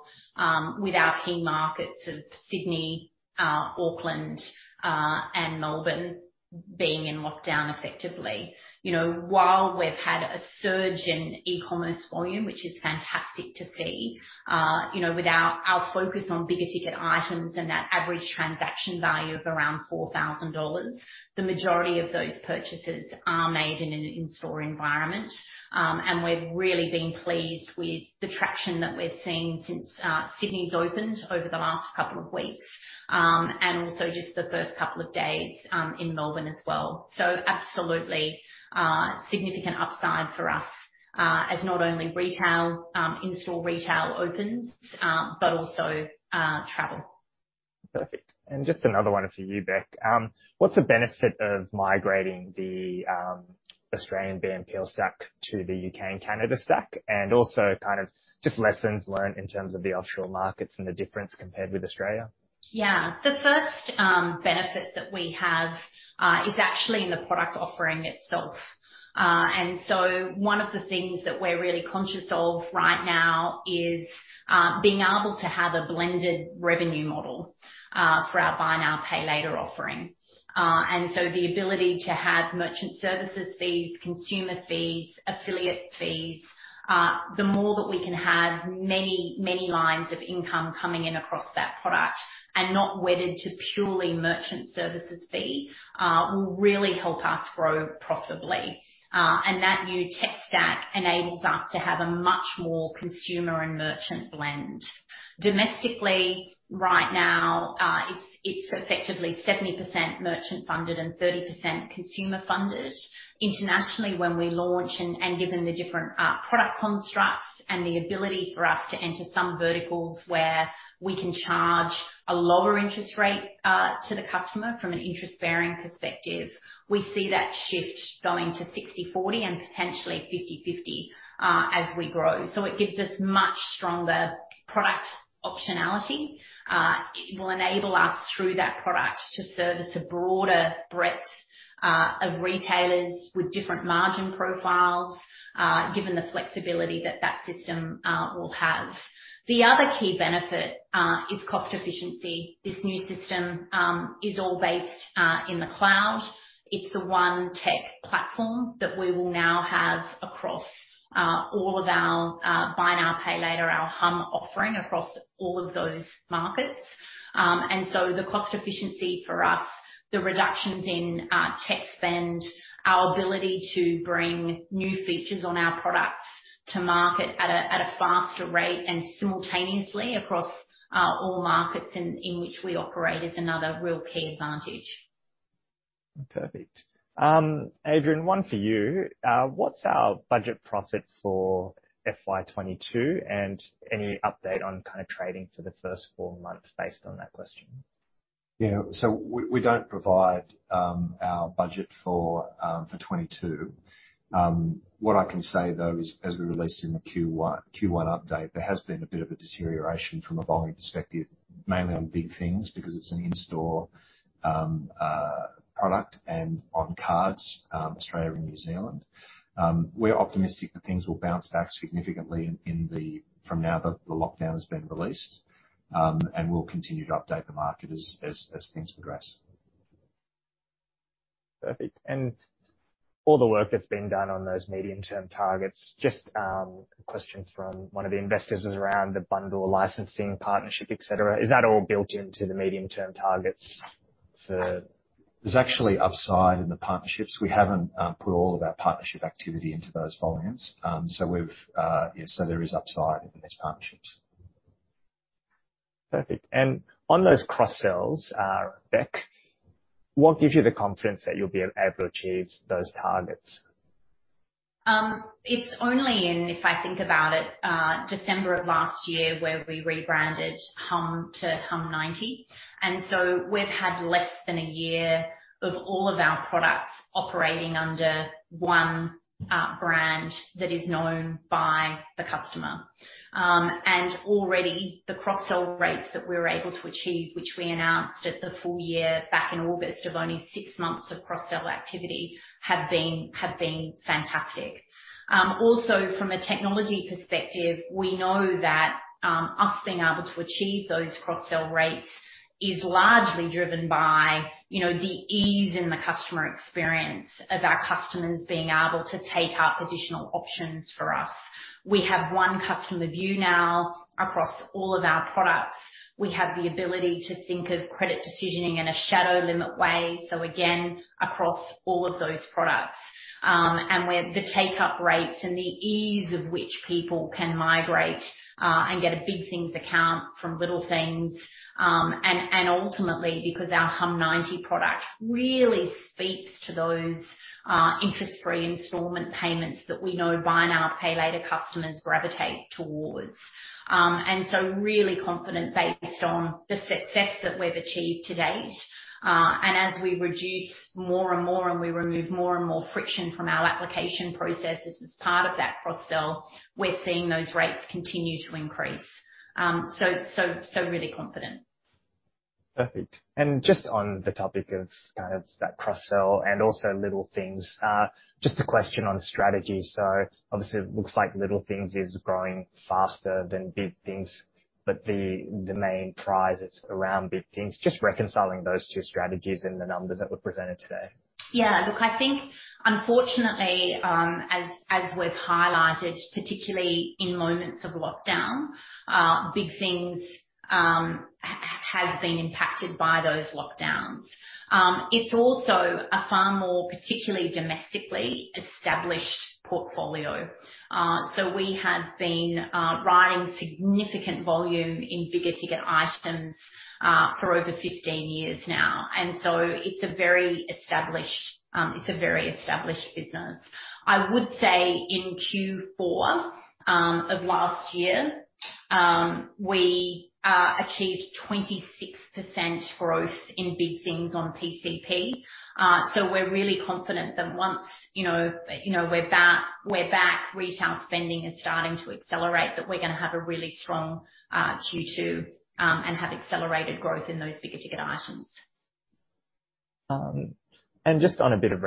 with our key markets of Sydney, Auckland, and Melbourne being in lockdown effectively. You know, while we've had a surge in e-commerce volume, which is fantastic to see, you know, with our focus on bigger ticket items and that average transaction value of around 4,000 dollars, the majority of those purchases are made in an in-store environment. We've really been pleased with the traction that we've seen since Sydney's opened over the last couple of weeks and also just the first couple of days in Melbourne as well. Absolutely, significant upside for us, as not only retail, in-store retail opens, but also travel. Perfect. Just another one for you, Bec. What's the benefit of migrating the Australian BNPL stack to the U.K. and Canada stack? Also kind of just lessons learned in terms of the offshore markets and the difference compared with Australia. Yeah. The first benefit that we have is actually in the product offering itself. One of the things that we're really conscious of right now is being able to have a blended revenue model for our buy now, pay later offering. The ability to have merchant services fees, consumer fees, affiliate fees. The more that we can have many, many lines of income coming in across that product and not wedded to purely merchant services fee will really help us grow profitably. That new tech stack enables us to have a much more consumer and merchant blend. Domestically right now, it's effectively 70% merchant funded and 30% consumer funded. Internationally, when we launch, given the different product constructs and the ability for us to enter some verticals where we can charge a lower interest rate to the customer from an interest bearing perspective, we see that shift going to 60/40 and potentially 50/50 as we grow. It gives us much stronger product optionality. It will enable us through that product to service a broader breadth of retailers with different margin profiles, given the flexibility that that system will have. The other key benefit is cost efficiency. This new system is all based in the cloud. It's the one tech platform that we will now have across all of our buy now, pay later, our Humm offering across all of those markets. The cost efficiency for us, the reductions in tech spend, our ability to bring new features on our products to market at a faster rate and simultaneously across all markets in which we operate is another real key advantage. Perfect. Adrian, one for you. What's our budget profit for FY 2022 and any update on kind of trading for the first four months based on that question? We don't provide our budget for 2022. What I can say though is, as we released in the Q1 update, there has been a bit of a deterioration from a volume perspective, mainly on Big things because it's an in-store product and on cards Australia and New Zealand. We're optimistic that things will bounce back significantly from now that the lockdown has been released. We'll continue to update the market as things progress. Perfect. All the work that's been done on those medium-term targets, just, a question from one of the investors was around the bundll licensing partnership, et cetera. Is that all built into the medium-term targets for- There's actually upside in the partnerships. We haven't put all of our partnership activity into those volumes. Yeah, there is upside in these partnerships. Perfect. On those cross-sells, Bec, what gives you the confidence that you'll be able to achieve those targets? It's only in, if I think about it, December of last year, where we rebranded humm to humm90. We've had less than a year of all of our products operating under one brand that is known by the customer. Already the cross-sell rates that we're able to achieve, which we announced at the full year back in August of only six months of cross-sell activity, have been fantastic. Also from a technology perspective, we know that us being able to achieve those cross-sell rates is largely driven by, you know, the ease in the customer experience of our customers being able to take up additional options for us. We have one customer view now across all of our products. We have the ability to think of credit decisioning in a shadow limit way, so again, across all of those products. Where the take-up rates and the ease with which people can migrate and get a Big things account from Little things, and ultimately because our humm90 product really speaks to those interest-free installment payments that we know buy now, pay later customers gravitate towards. Really confident based on the success that we've achieved to date. As we reduce more and more and we remove more and more friction from our application processes as part of that cross-sell, we're seeing those rates continue to increase. Really confident. Perfect. Just on the topic of kind of that cross-sell and also Little Things, just a question on strategy. Obviously it looks like Little Things is growing faster than Big Things, but the main prize is around Big Things. Just reconciling those two strategies and the numbers that were presented today. Yeah. Look, I think unfortunately, as we've highlighted, particularly in moments of lockdown, Big Things has been impacted by those lockdowns. It's also a far more particularly domestically established portfolio. So we have been writing significant volume in bigger ticket items for over 15 years now, and so it's a very established business. I would say in Q4 of last year, we achieved 26% growth in Big Things on PCP. So we're really confident that once you know we're back, retail spending is starting to accelerate, that we're gonna have a really strong Q2 and have accelerated growth in those bigger ticket items. Just on a bit of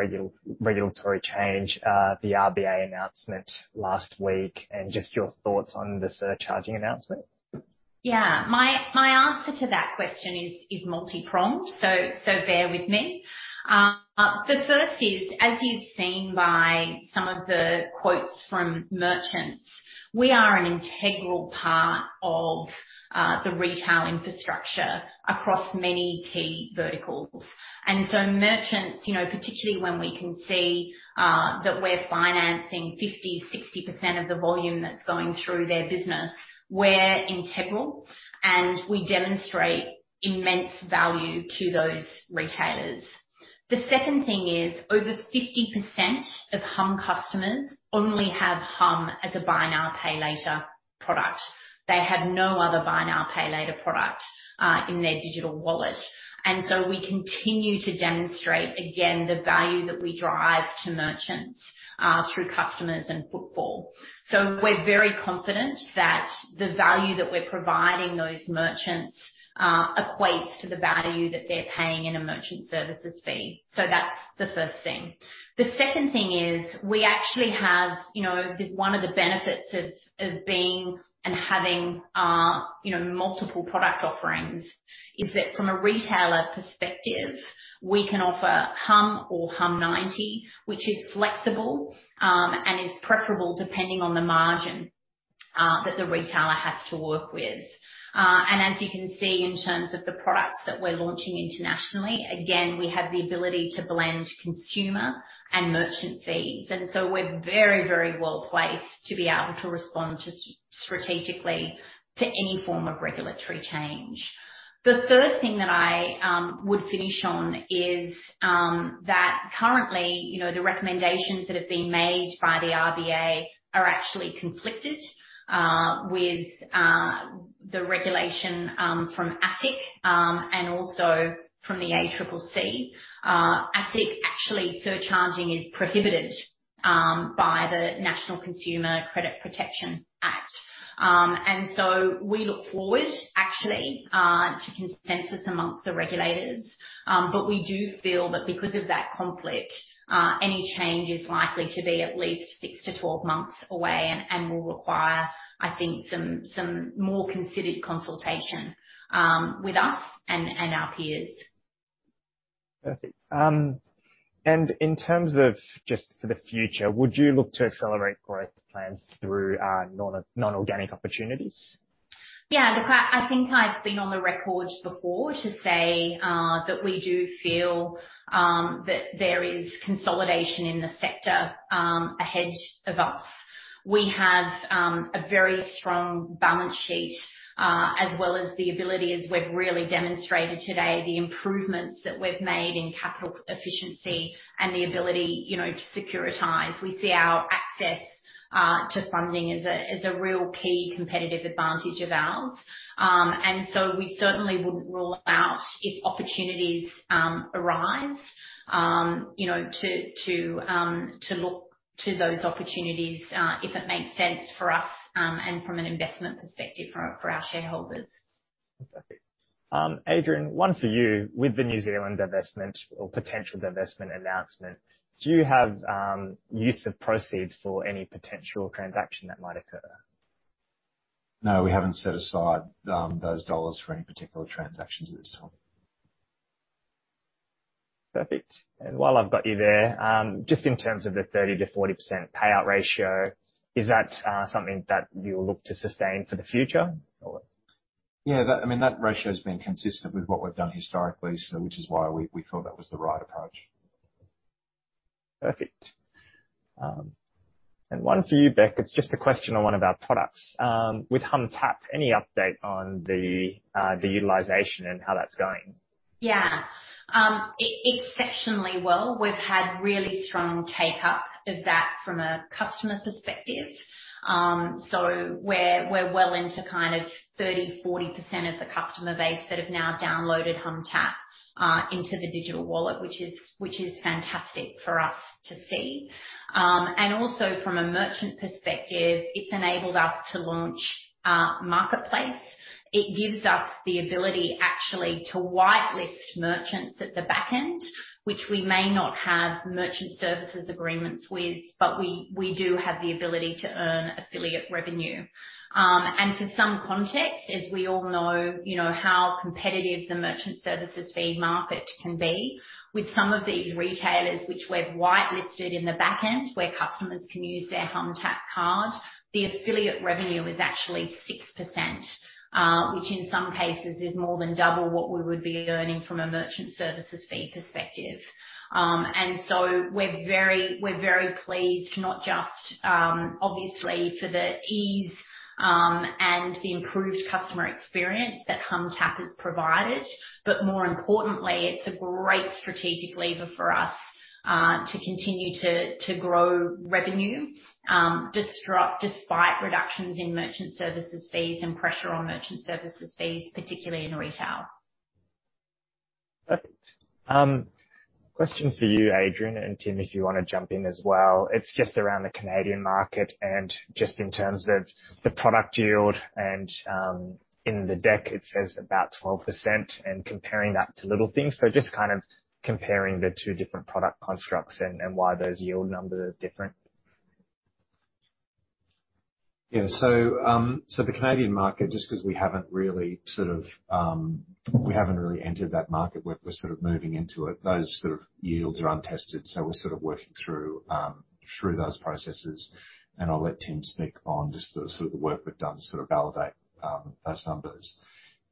regulatory change, the RBA announcement last week and just your thoughts on the surcharging announcement. Yeah. My answer to that question is multi-pronged, so bear with me. The first is, as you've seen by some of the quotes from merchants, we are an integral part of the retail infrastructure across many key verticals. Merchants, you know, particularly when we can see that we're financing 50%-60% of the volume that's going through their business, we're integral, and we demonstrate immense value to those retailers. The second thing is, over 50% of Humm customers only have Humm as a buy now, pay later product. They have no other buy now, pay later product in their digital wallet. We continue to demonstrate, again, the value that we drive to merchants through customers and footfall. We're very confident that the value that we're providing those merchants equates to the value that they're paying in a merchant services fee. That's the first thing. The second thing is we actually have one of the benefits of being and having multiple product offerings is that from a retailer perspective, we can offer humm or humm90, which is flexible and is preferable depending on the margin that the retailer has to work with. And as you can see in terms of the products that we're launching internationally, again, we have the ability to blend consumer and merchant fees. We're very, very well placed to be able to respond just strategically to any form of regulatory change. The third thing that I would finish on is that currently, you know, the recommendations that have been made by the RBA are actually conflicted with the regulation from ASIC and also from the ACCC. ASIC, actually, surcharging is prohibited by the National Consumer Credit Protection Act. We look forward actually to consensus among the regulators. We do feel that because of that conflict, any change is likely to be at least 6-12 months away and will require, I think, some more considered consultation with us and our peers. Perfect. In terms of just for the future, would you look to accelerate growth plans through non-organic opportunities? Yeah. Look, I think I've been on the record before to say that we do feel that there is consolidation in the sector ahead of us. We have a very strong balance sheet as well as the ability, as we've really demonstrated today, the improvements that we've made in capital efficiency and the ability, you know, to securitize. We see our access to funding as a real key competitive advantage of ours. We certainly wouldn't rule out if opportunities arise, you know, to look to those opportunities if it makes sense for us and from an investment perspective for our shareholders. Perfect. Adrian, one for you. With the New Zealand divestment or potential divestment announcement, do you have use of proceeds for any potential transaction that might occur? No, we haven't set aside those dollars for any particular transactions at this time. Perfect. While I've got you there, just in terms of the 30%-40% payout ratio, is that something that you'll look to sustain for the future or? I mean, that ratio's been consistent with what we've done historically. Which is why we thought that was the right approach. Perfect. One for you, Bec. It's just a question on one of our products. With humm//TAPP, any update on the utilization and how that's going? Exceptionally well. We've had really strong take-up of that from a customer perspective. We're well into kind of 30%-40% of the customer base that have now downloaded humm//TAPP into the digital wallet, which is fantastic for us to see. And also from a merchant perspective, it's enabled us to launch our Humm Marketplace. It gives us the ability actually to whitelist merchants at the back end, which we may not have merchant services agreements with, but we do have the ability to earn affiliate revenue. And for some context, as we all know, you know, how competitive the merchant services fee market can be. With some of these retailers which we've whitelisted in the back end, where customers can use their humm//TAPP card, the affiliate revenue is actually 6%, which in some cases is more than double what we would be earning from a merchant services fee perspective. We're very pleased, not just obviously for the ease and the improved customer experience that humm//TAPP has provided, but more importantly, it's a great strategic lever for us to continue to grow revenue despite reductions in merchant services fees and pressure on merchant services fees, particularly in retail. Perfect. Question for you, Adrian, and Tim, if you wanna jump in as well. It's just around the Canadian market and just in terms of the product yield and, in the deck it says about 12% and comparing that to Little Things. Just kind of comparing the two different product constructs and why those yield numbers are different. Yeah, the Canadian market, just 'cause we haven't really entered that market. We're moving into it. Those yields are untested, so we're working through those processes, and I'll let Tim speak on the work we've done to validate those numbers.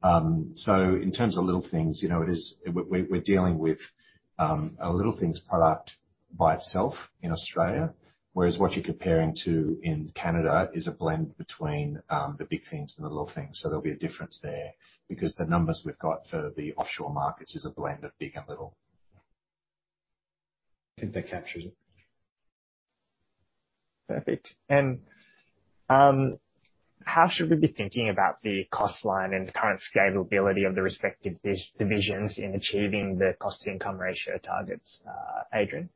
In terms of Little things, you know, we're dealing with a Little things product by itself in Australia, whereas what you're comparing to in Canada is a blend between the Big things and the Little things. There'll be a difference there because the numbers we've got for the offshore markets is a blend of big and little. I think that captures it. Perfect. How should we be thinking about the cost line and current scalability of the respective divisions in achieving the cost-to-income ratio targets, Adrian?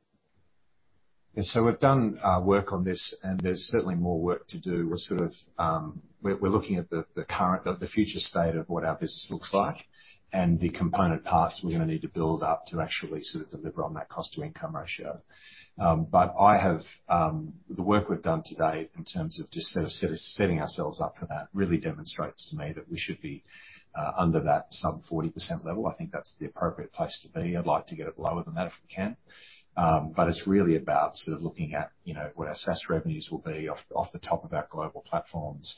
Yeah. We've done work on this, and there's certainly more work to do. We're looking at the future state of what our business looks like and the component parts we're gonna need to build up to actually sort of deliver on that cost-to-income ratio. I have the work we've done to date in terms of just sort of setting ourselves up for that really demonstrates to me that we should be under that sub 40% level. I think that's the appropriate place to be. I'd like to get it lower than that if we can. It's really about sort of looking at, you know, what our SaaS revenues will be off the top of our global platforms,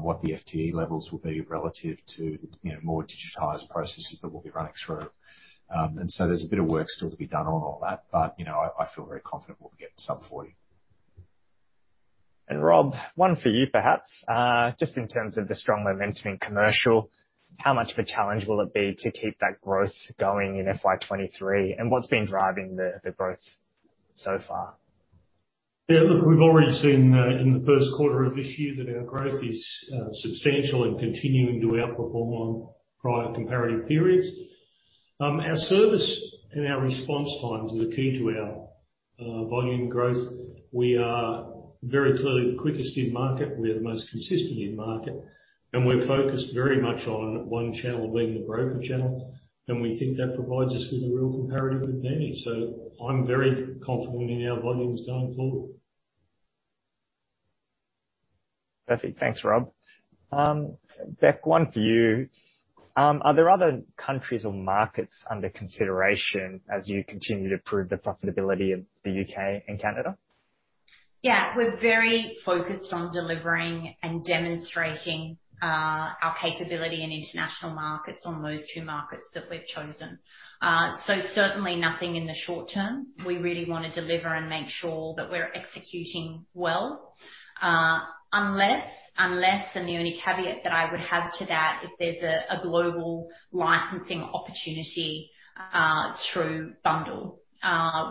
what the FTE levels will be relative to, you know, more digitized processes that we'll be running through. There's a bit of work still to be done on all that. You know, I feel very confident we'll be getting sub 40%. Rob, one for you perhaps. Just in terms of the strong momentum in commercial, how much of a challenge will it be to keep that growth going in FY 2023, and what's been driving the growth so far? Yeah. Look, we've already seen in the first quarter of this year that our growth is substantial and continuing to outperform on prior comparative periods. Our service and our response times are the key to our volume growth. We are very clearly the quickest in market, we are the most consistent in market, and we're focused very much on one channel being the broker channel. We think that provides us with a real comparative advantage. I'm very confident in our volumes going forward. Perfect. Thanks, Rob. Bec, one for you. Are there other countries or markets under consideration as you continue to prove the profitability of the U.K. and Canada? Yeah. We're very focused on delivering and demonstrating our capability in international markets on those two markets that we've chosen. Certainly nothing in the short term. We really wanna deliver and make sure that we're executing well. Unless and the only caveat that I would have to that, if there's a global licensing opportunity through bundll,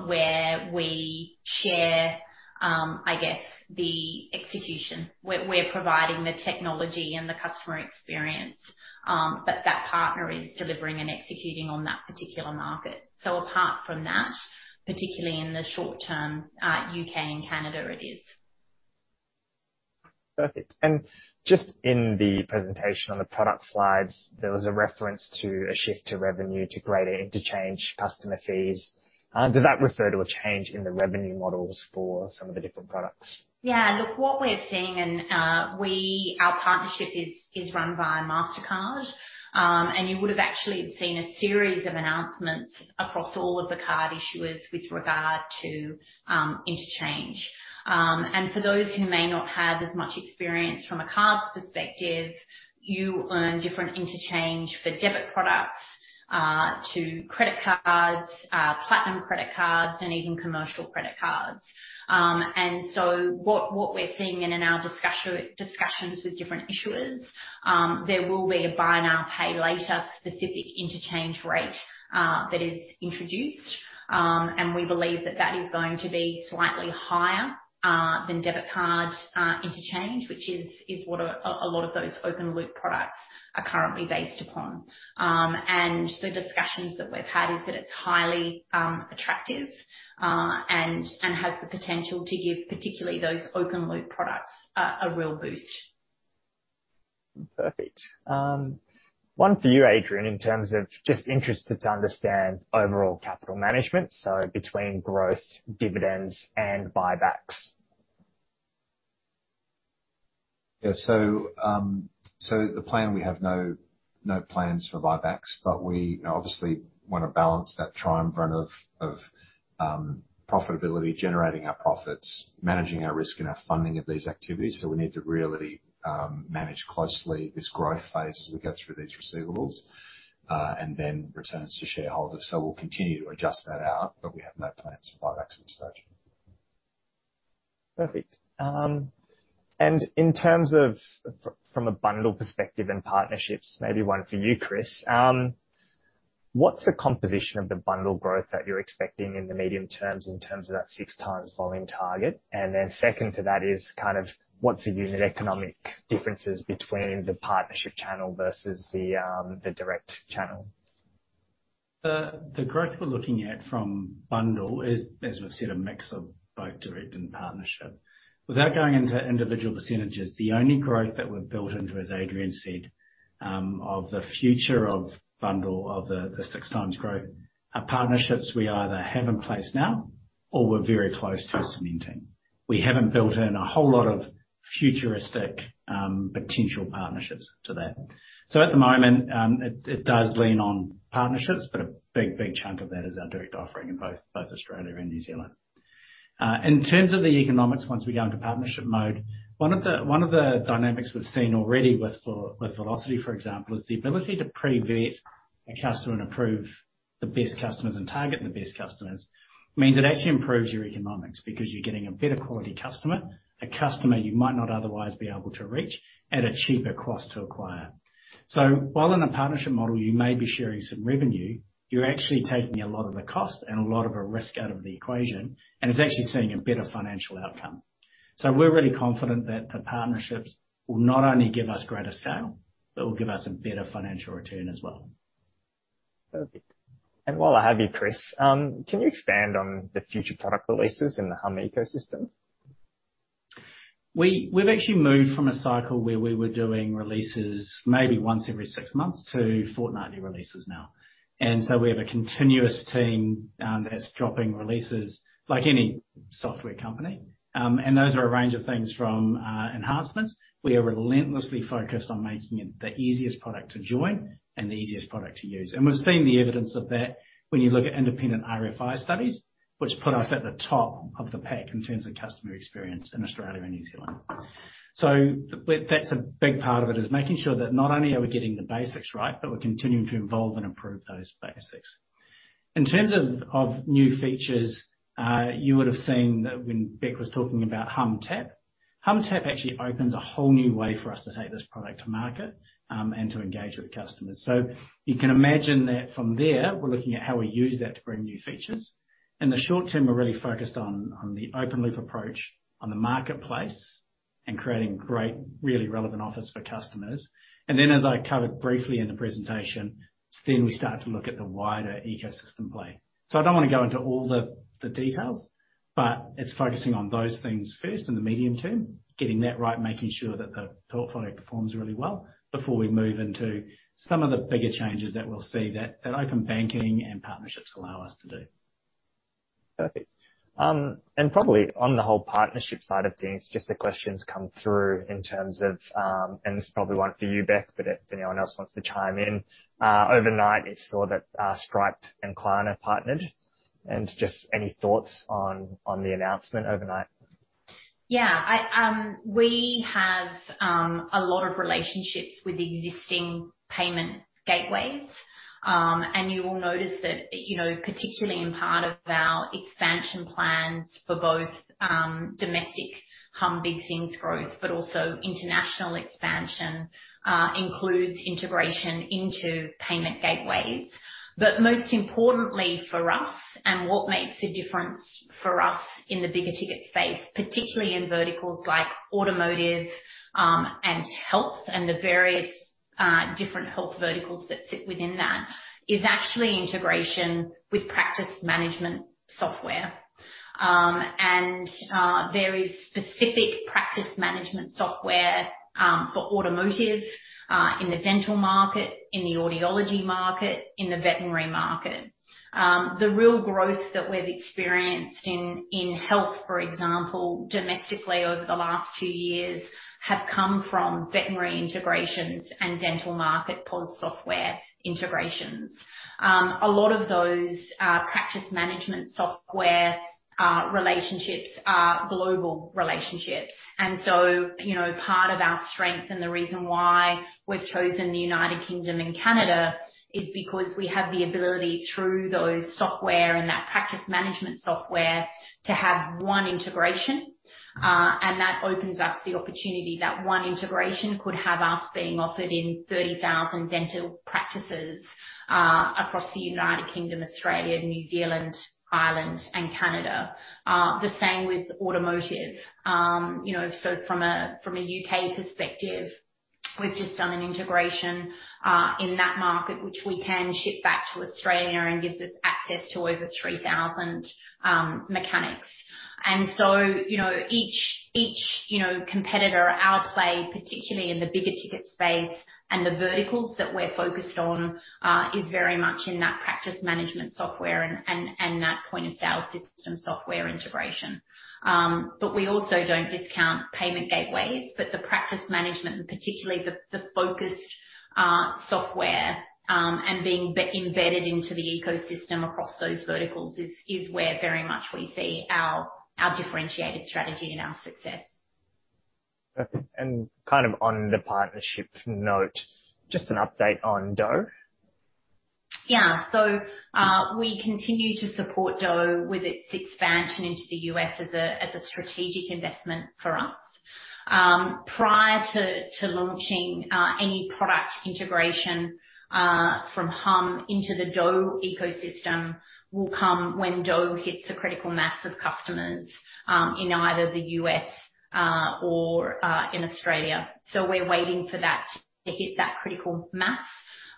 where we share, I guess the execution, where we're providing the technology and the customer experience, but that partner is delivering and executing on that particular market. Apart from that, particularly in the short term, U.K. and Canada it is. Perfect. Just in the presentation on the product slides, there was a reference to a shift to revenue to greater interchange customer fees. Does that refer to a change in the revenue models for some of the different products? Yeah. Look, what we're seeing and our partnership is run via Mastercard. You would have actually seen a series of announcements across all of the card issuers with regard to interchange. For those who may not have as much experience from a card's perspective, you earn different interchange for debit products than credit cards, platinum credit cards, and even commercial credit cards. What we're seeing and in our discussions with different issuers, there will be a buy now, pay later specific interchange rate that is introduced. We believe that is going to be slightly higher than debit card interchange, which is what a lot of those open loop products are currently based upon. The discussions that we've had is that it's highly attractive and has the potential to give particularly those open loop products a real boost. Perfect. One for you, Adrian, in terms of I'm just interested to understand overall capital management, so between growth, dividends, and buybacks. Yeah. The plan, we have no plans for buybacks, but we obviously wanna balance that triumvirate of profitability, generating our profits, managing our risk and our funding of these activities. We need to really manage closely this growth phase as we go through these receivables, and then returns to shareholders. We'll continue to adjust that out, but we have no plans for buybacks at this stage. Perfect. In terms of from a bundll perspective and partnerships, maybe one for you, Chris. What's the composition of the bundll growth that you're expecting in the medium term in terms of that 6x volume target? Then second to that is kind of what's the unit economics differences between the partnership channel versus the direct channel? The growth we're looking at from bundll is, as we've said, a mix of both direct and partnership. Without going into individual percentages, the only growth that we've built into, as Adrian said, of the future of bundll, the 6x growth are partnerships we either have in place now or we're very close to cementing. We haven't built in a whole lot of futuristic potential partnerships to that. At the moment, it does lean on partnerships, but a big chunk of that is our direct offering in both Australia and New Zealand. In terms of the economics, once we go into partnership mode, one of the dynamics we've seen already with Velocity, for example, is the ability to pre-vet a customer and approve the best customers and target the best customers. means it actually improves your economics because you're getting a better quality customer, a customer you might not otherwise be able to reach at a cheaper cost to acquire. While in a partnership model, you may be sharing some revenue, you're actually taking a lot of the cost and a lot of the risk out of the equation, and it's actually seeing a better financial outcome. We're really confident that the partnerships will not only give us greater scale, but will give us a better financial return as well. Perfect. While I have you, Chris, can you expand on the future product releases in the Humm ecosystem? We've actually moved from a cycle where we were doing releases maybe once every six months to fortnightly releases now. We have a continuous team that's dropping releases like any software company. Those are a range of things from enhancements. We are relentlessly focused on making it the easiest product to join and the easiest product to use. We've seen the evidence of that when you look at independent RFi studies, which put us at the top of the pack in terms of customer experience in Australia and New Zealand. That's a big part of it, is making sure that not only are we getting the basics right, but we're continuing to evolve and improve those basics. In terms of new features, you would have seen that when Bec was talking about humm/TAPP. humm//TAPP actually opens a whole new way for us to take this product to market, and to engage with customers. You can imagine that from there, we're looking at how we use that to bring new features. In the short term, we're really focused on the open loop approach on the marketplace. Creating great, really relevant offers for customers. Then as I covered briefly in the presentation, then we start to look at the wider ecosystem play. I don't wanna go into all the details, but it's focusing on those things first in the medium term, getting that right, making sure that the portfolio performs really well before we move into some of the bigger changes that we'll see that open banking and partnerships allow us to do. Perfect. Probably on the whole partnership side of things, just the questions come through in terms of, this is probably one for you, Bec, but if anyone else wants to chime in. Overnight, we saw that Stripe and Klarna partnered, and just any thoughts on the announcement overnight? Yeah, we have a lot of relationships with existing payment gateways. You will notice that, you know, particularly in part of our expansion plans for both domestic humm Big things growth, but also international expansion, includes integration into payment gateways. But most importantly for us, and what makes a difference for us in the bigger ticket space, particularly in verticals like automotive, and health, and the various different health verticals that sit within that, is actually integration with practice management software. There is specific practice management software for automotive in the dental market, in the audiology market, in the veterinary market. The real growth that we've experienced in health, for example, domestically over the last two years, have come from veterinary integrations and dental market POS software integrations. A lot of those practice management software relationships are global relationships. You know, part of our strength and the reason why we've chosen the United Kingdom and Canada is because we have the ability through those software and that practice management software to have one integration. That opens us the opportunity that one integration could have us being offered in 30,000 dental practices across the United Kingdom, Australia, New Zealand, Ireland and Canada. The same with automotive. You know, from a U.K. perspective, we've just done an integration in that market, which we can ship back to Australia and gives us access to over 3,000 mechanics. You know, each competitor, our play, particularly in the bigger ticket space and the verticals that we're focused on, is very much in that practice management software and that point of sale system software integration. We also don't discount payment gateways. The practice management, and particularly the focused software, and being embedded into the ecosystem across those verticals is where very much we see our differentiated strategy and our success. Perfect. Kind of on the partnership note, just an update on Douugh? Yeah. We continue to support Douugh with its expansion into the U.S. as a strategic investment for us. Prior to launching any product integration from Humm into the Douugh ecosystem will come when Douugh hits the critical mass of customers in either the U.S. or in Australia. We're waiting for that to hit that critical mass,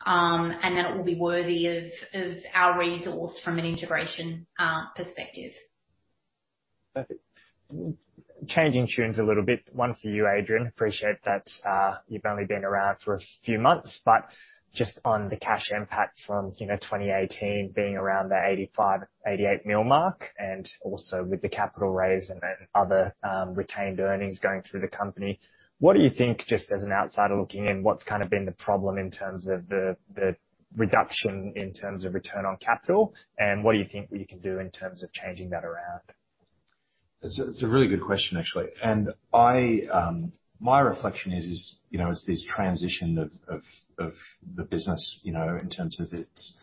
and then it will be worthy of our resource from an integration perspective. Perfect. Changing tunes a little bit. One for you, Adrian. Appreciate that, you've only been around for a few months, but just on the cash impact from, you know, 2018 being around the 85 million-88 million mark, and also with the capital raise and then other retained earnings going through the company. What do you think, just as an outsider looking in, what's kind of been the problem in terms of the reduction in terms of return on capital, and what do you think we can do in terms of changing that around? It's a really good question actually. My reflection is, you know, it's this transition of the business, you know, in terms of its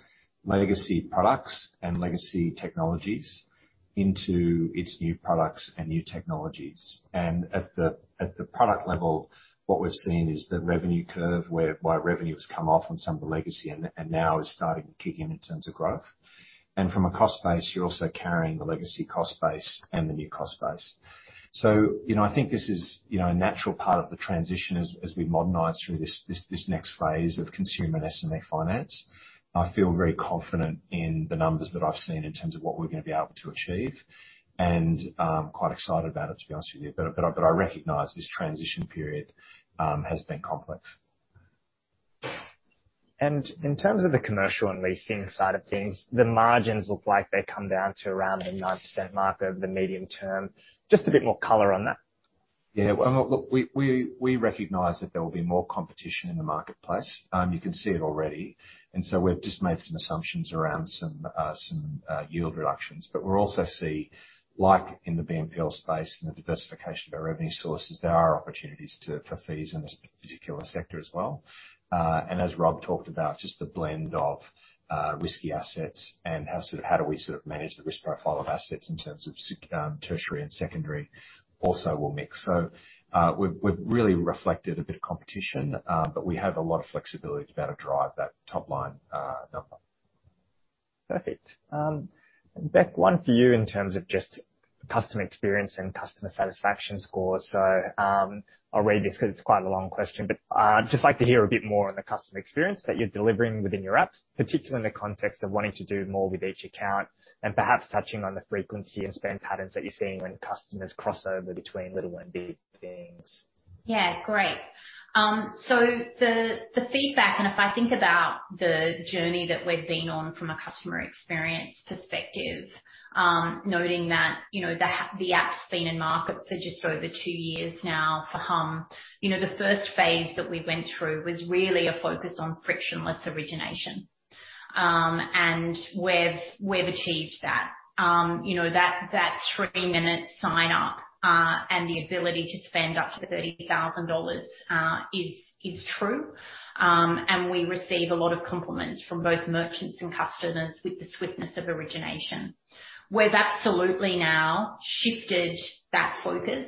legacy products and legacy technologies into its new products and new technologies. At the product level, what we've seen is the revenue curve where revenue has come off on some of the legacy and now is starting to kick in in terms of growth. From a cost base, you're also carrying the legacy cost base and the new cost base. I think this is, you know, a natural part of the transition as we modernize through this next phase of consumer SME finance. I feel very confident in the numbers that I've seen in terms of what we're gonna be able to achieve, and quite excited about it, to be honest with you. I recognize this transition period has been complex. In terms of the commercial and leasing side of things, the margins look like they come down to around the 9% mark over the medium term. Just a bit more color on that. Yeah. Well, look, we recognize that there will be more competition in the marketplace. You can see it already. We've just made some assumptions around some yield reductions. We're also seeing, like in the BNPL space and the diversification of our revenue sources, there are opportunities for fees in this particular sector as well. As Rob talked about, just the blend of risky assets and how we manage the risk profile of assets in terms of tertiary and secondary also will mix. We've really reflected a bit of competition, but we have a lot of flexibility to be able to drive that top line number. Perfect. Bec, one for you in terms of just customer experience and customer satisfaction scores. I'll read this 'cause it's quite a long question, but just like to hear a bit more on the customer experience that you're delivering within your app, particularly in the context of wanting to do more with each account and perhaps touching on the frequency and spend patterns that you're seeing when customers cross over between Little things and Big things. Yeah, great. The feedback, and if I think about the journey that we've been on from a customer experience perspective, noting that, you know, the app's been in market for just over 2 years now for Humm. You know, the first phase that we went through was really a focus on frictionless origination. We've achieved that. You know, that 3-minute sign-up and the ability to spend up to 30,000 dollars is true. We receive a lot of compliments from both merchants and customers with the swiftness of origination. We've absolutely now shifted that focus,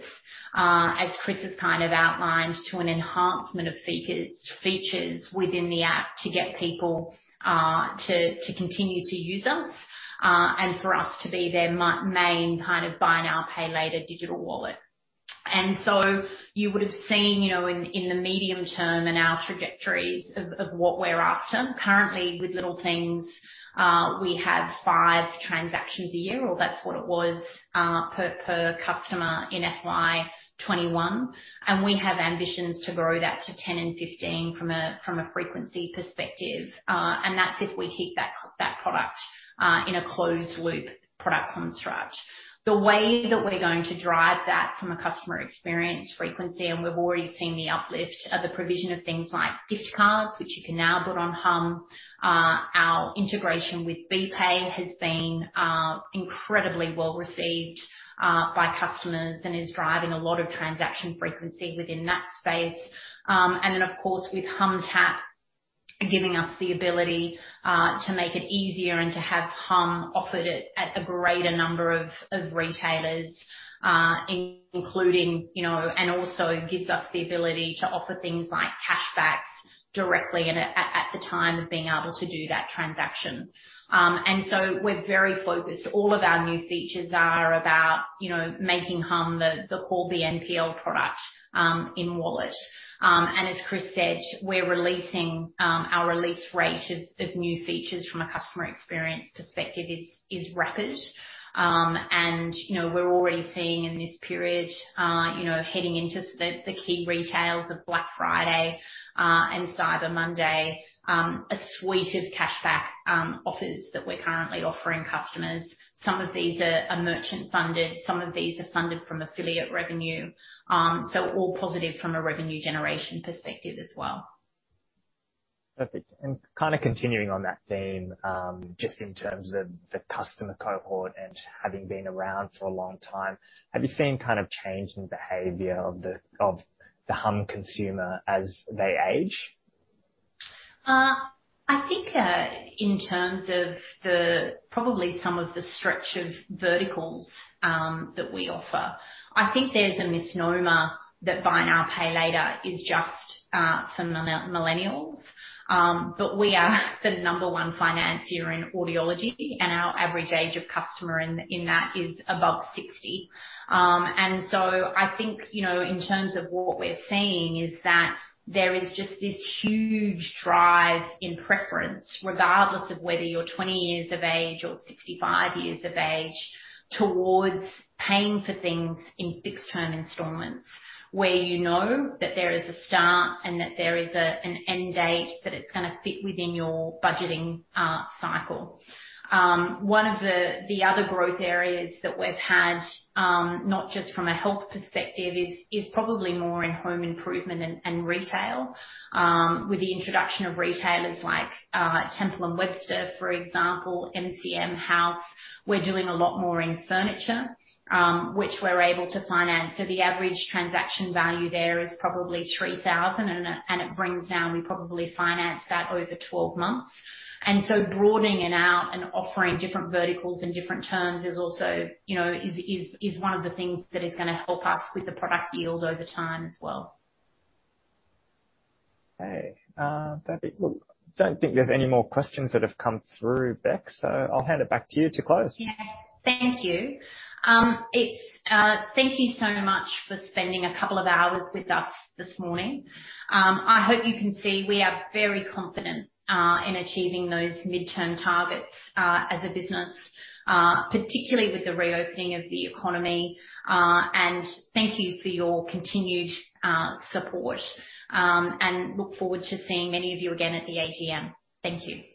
as Chris has kind of outlined, to an enhancement of features within the app to get people to continue to use us, and for us to be their main kind of buy now, pay later digital wallet. You would've seen, you know, in the medium term and our trajectories of what we're after. Currently with Little things, we have 5 transactions a year, or that's what it was, per customer in FY 2021, and we have ambitions to grow that to 10 and 15 from a frequency perspective. That's if we keep that product in a closed loop product construct. The way that we're going to drive that from a customer experience frequency, and we've already seen the uplift of the provision of things like gift cards, which you can now put on humm. Our integration with BPAY has been incredibly well received by customers and is driving a lot of transaction frequency within that space. Of course, with humm tap, giving us the ability to make it easier and to have humm offered at a greater number of retailers, including, you know, and also gives us the ability to offer things like cashbacks directly and at the time of being able to do that transaction. We're very focused. All of our new features are about, you know, making humm the core BNPL product in wallet. As Chris said, we're releasing our release rate of new features from a customer experience perspective is rapid. You know, we're already seeing in this period, you know, heading into the key retail sales of Black Friday and Cyber Monday, a suite of cashback offers that we're currently offering customers. Some of these are merchant-funded, some of these are funded from affiliate revenue. All positive from a revenue generation perspective as well. Perfect. Kinda continuing on that theme, just in terms of the customer cohort and having been around for a long time, have you seen kind of change in behavior of the Humm consumer as they age? I think in terms of probably some of the stretch of verticals that we offer, I think there's a misnomer that buy now, pay later is just for millennials. But we are the number one financier in audiology, and our average age of customer in that is above 60. I think, you know, in terms of what we're seeing is that there is just this huge drive in preference, regardless of whether you're 20 years of age or 65 years of age, towards paying for things in fixed term installments where you know that there is a start and that there is an end date, that it's gonna fit within your budgeting cycle. One of the other growth areas that we've had, not just from a health perspective, is probably more in home improvement and retail, with the introduction of retailers like Temple & Webster, for example, MCM House. We're doing a lot more in furniture, which we're able to finance. The average transaction value there is probably 3,000, and it brings down, we probably finance that over 12 months. Broadening it out and offering different verticals and different terms is also, you know, one of the things that is gonna help us with the product yield over time as well. Okay. That's it. Well, I don't think there's any more questions that have come through, Rebecca, so I'll hand it back to you to close. Yeah. Thank you. Thank you so much for spending a couple of hours with us this morning. I hope you can see we are very confident in achieving those midterm targets as a business, particularly with the reopening of the economy. Thank you for your continued support. I look forward to seeing many of you again at the AGM. Thank you.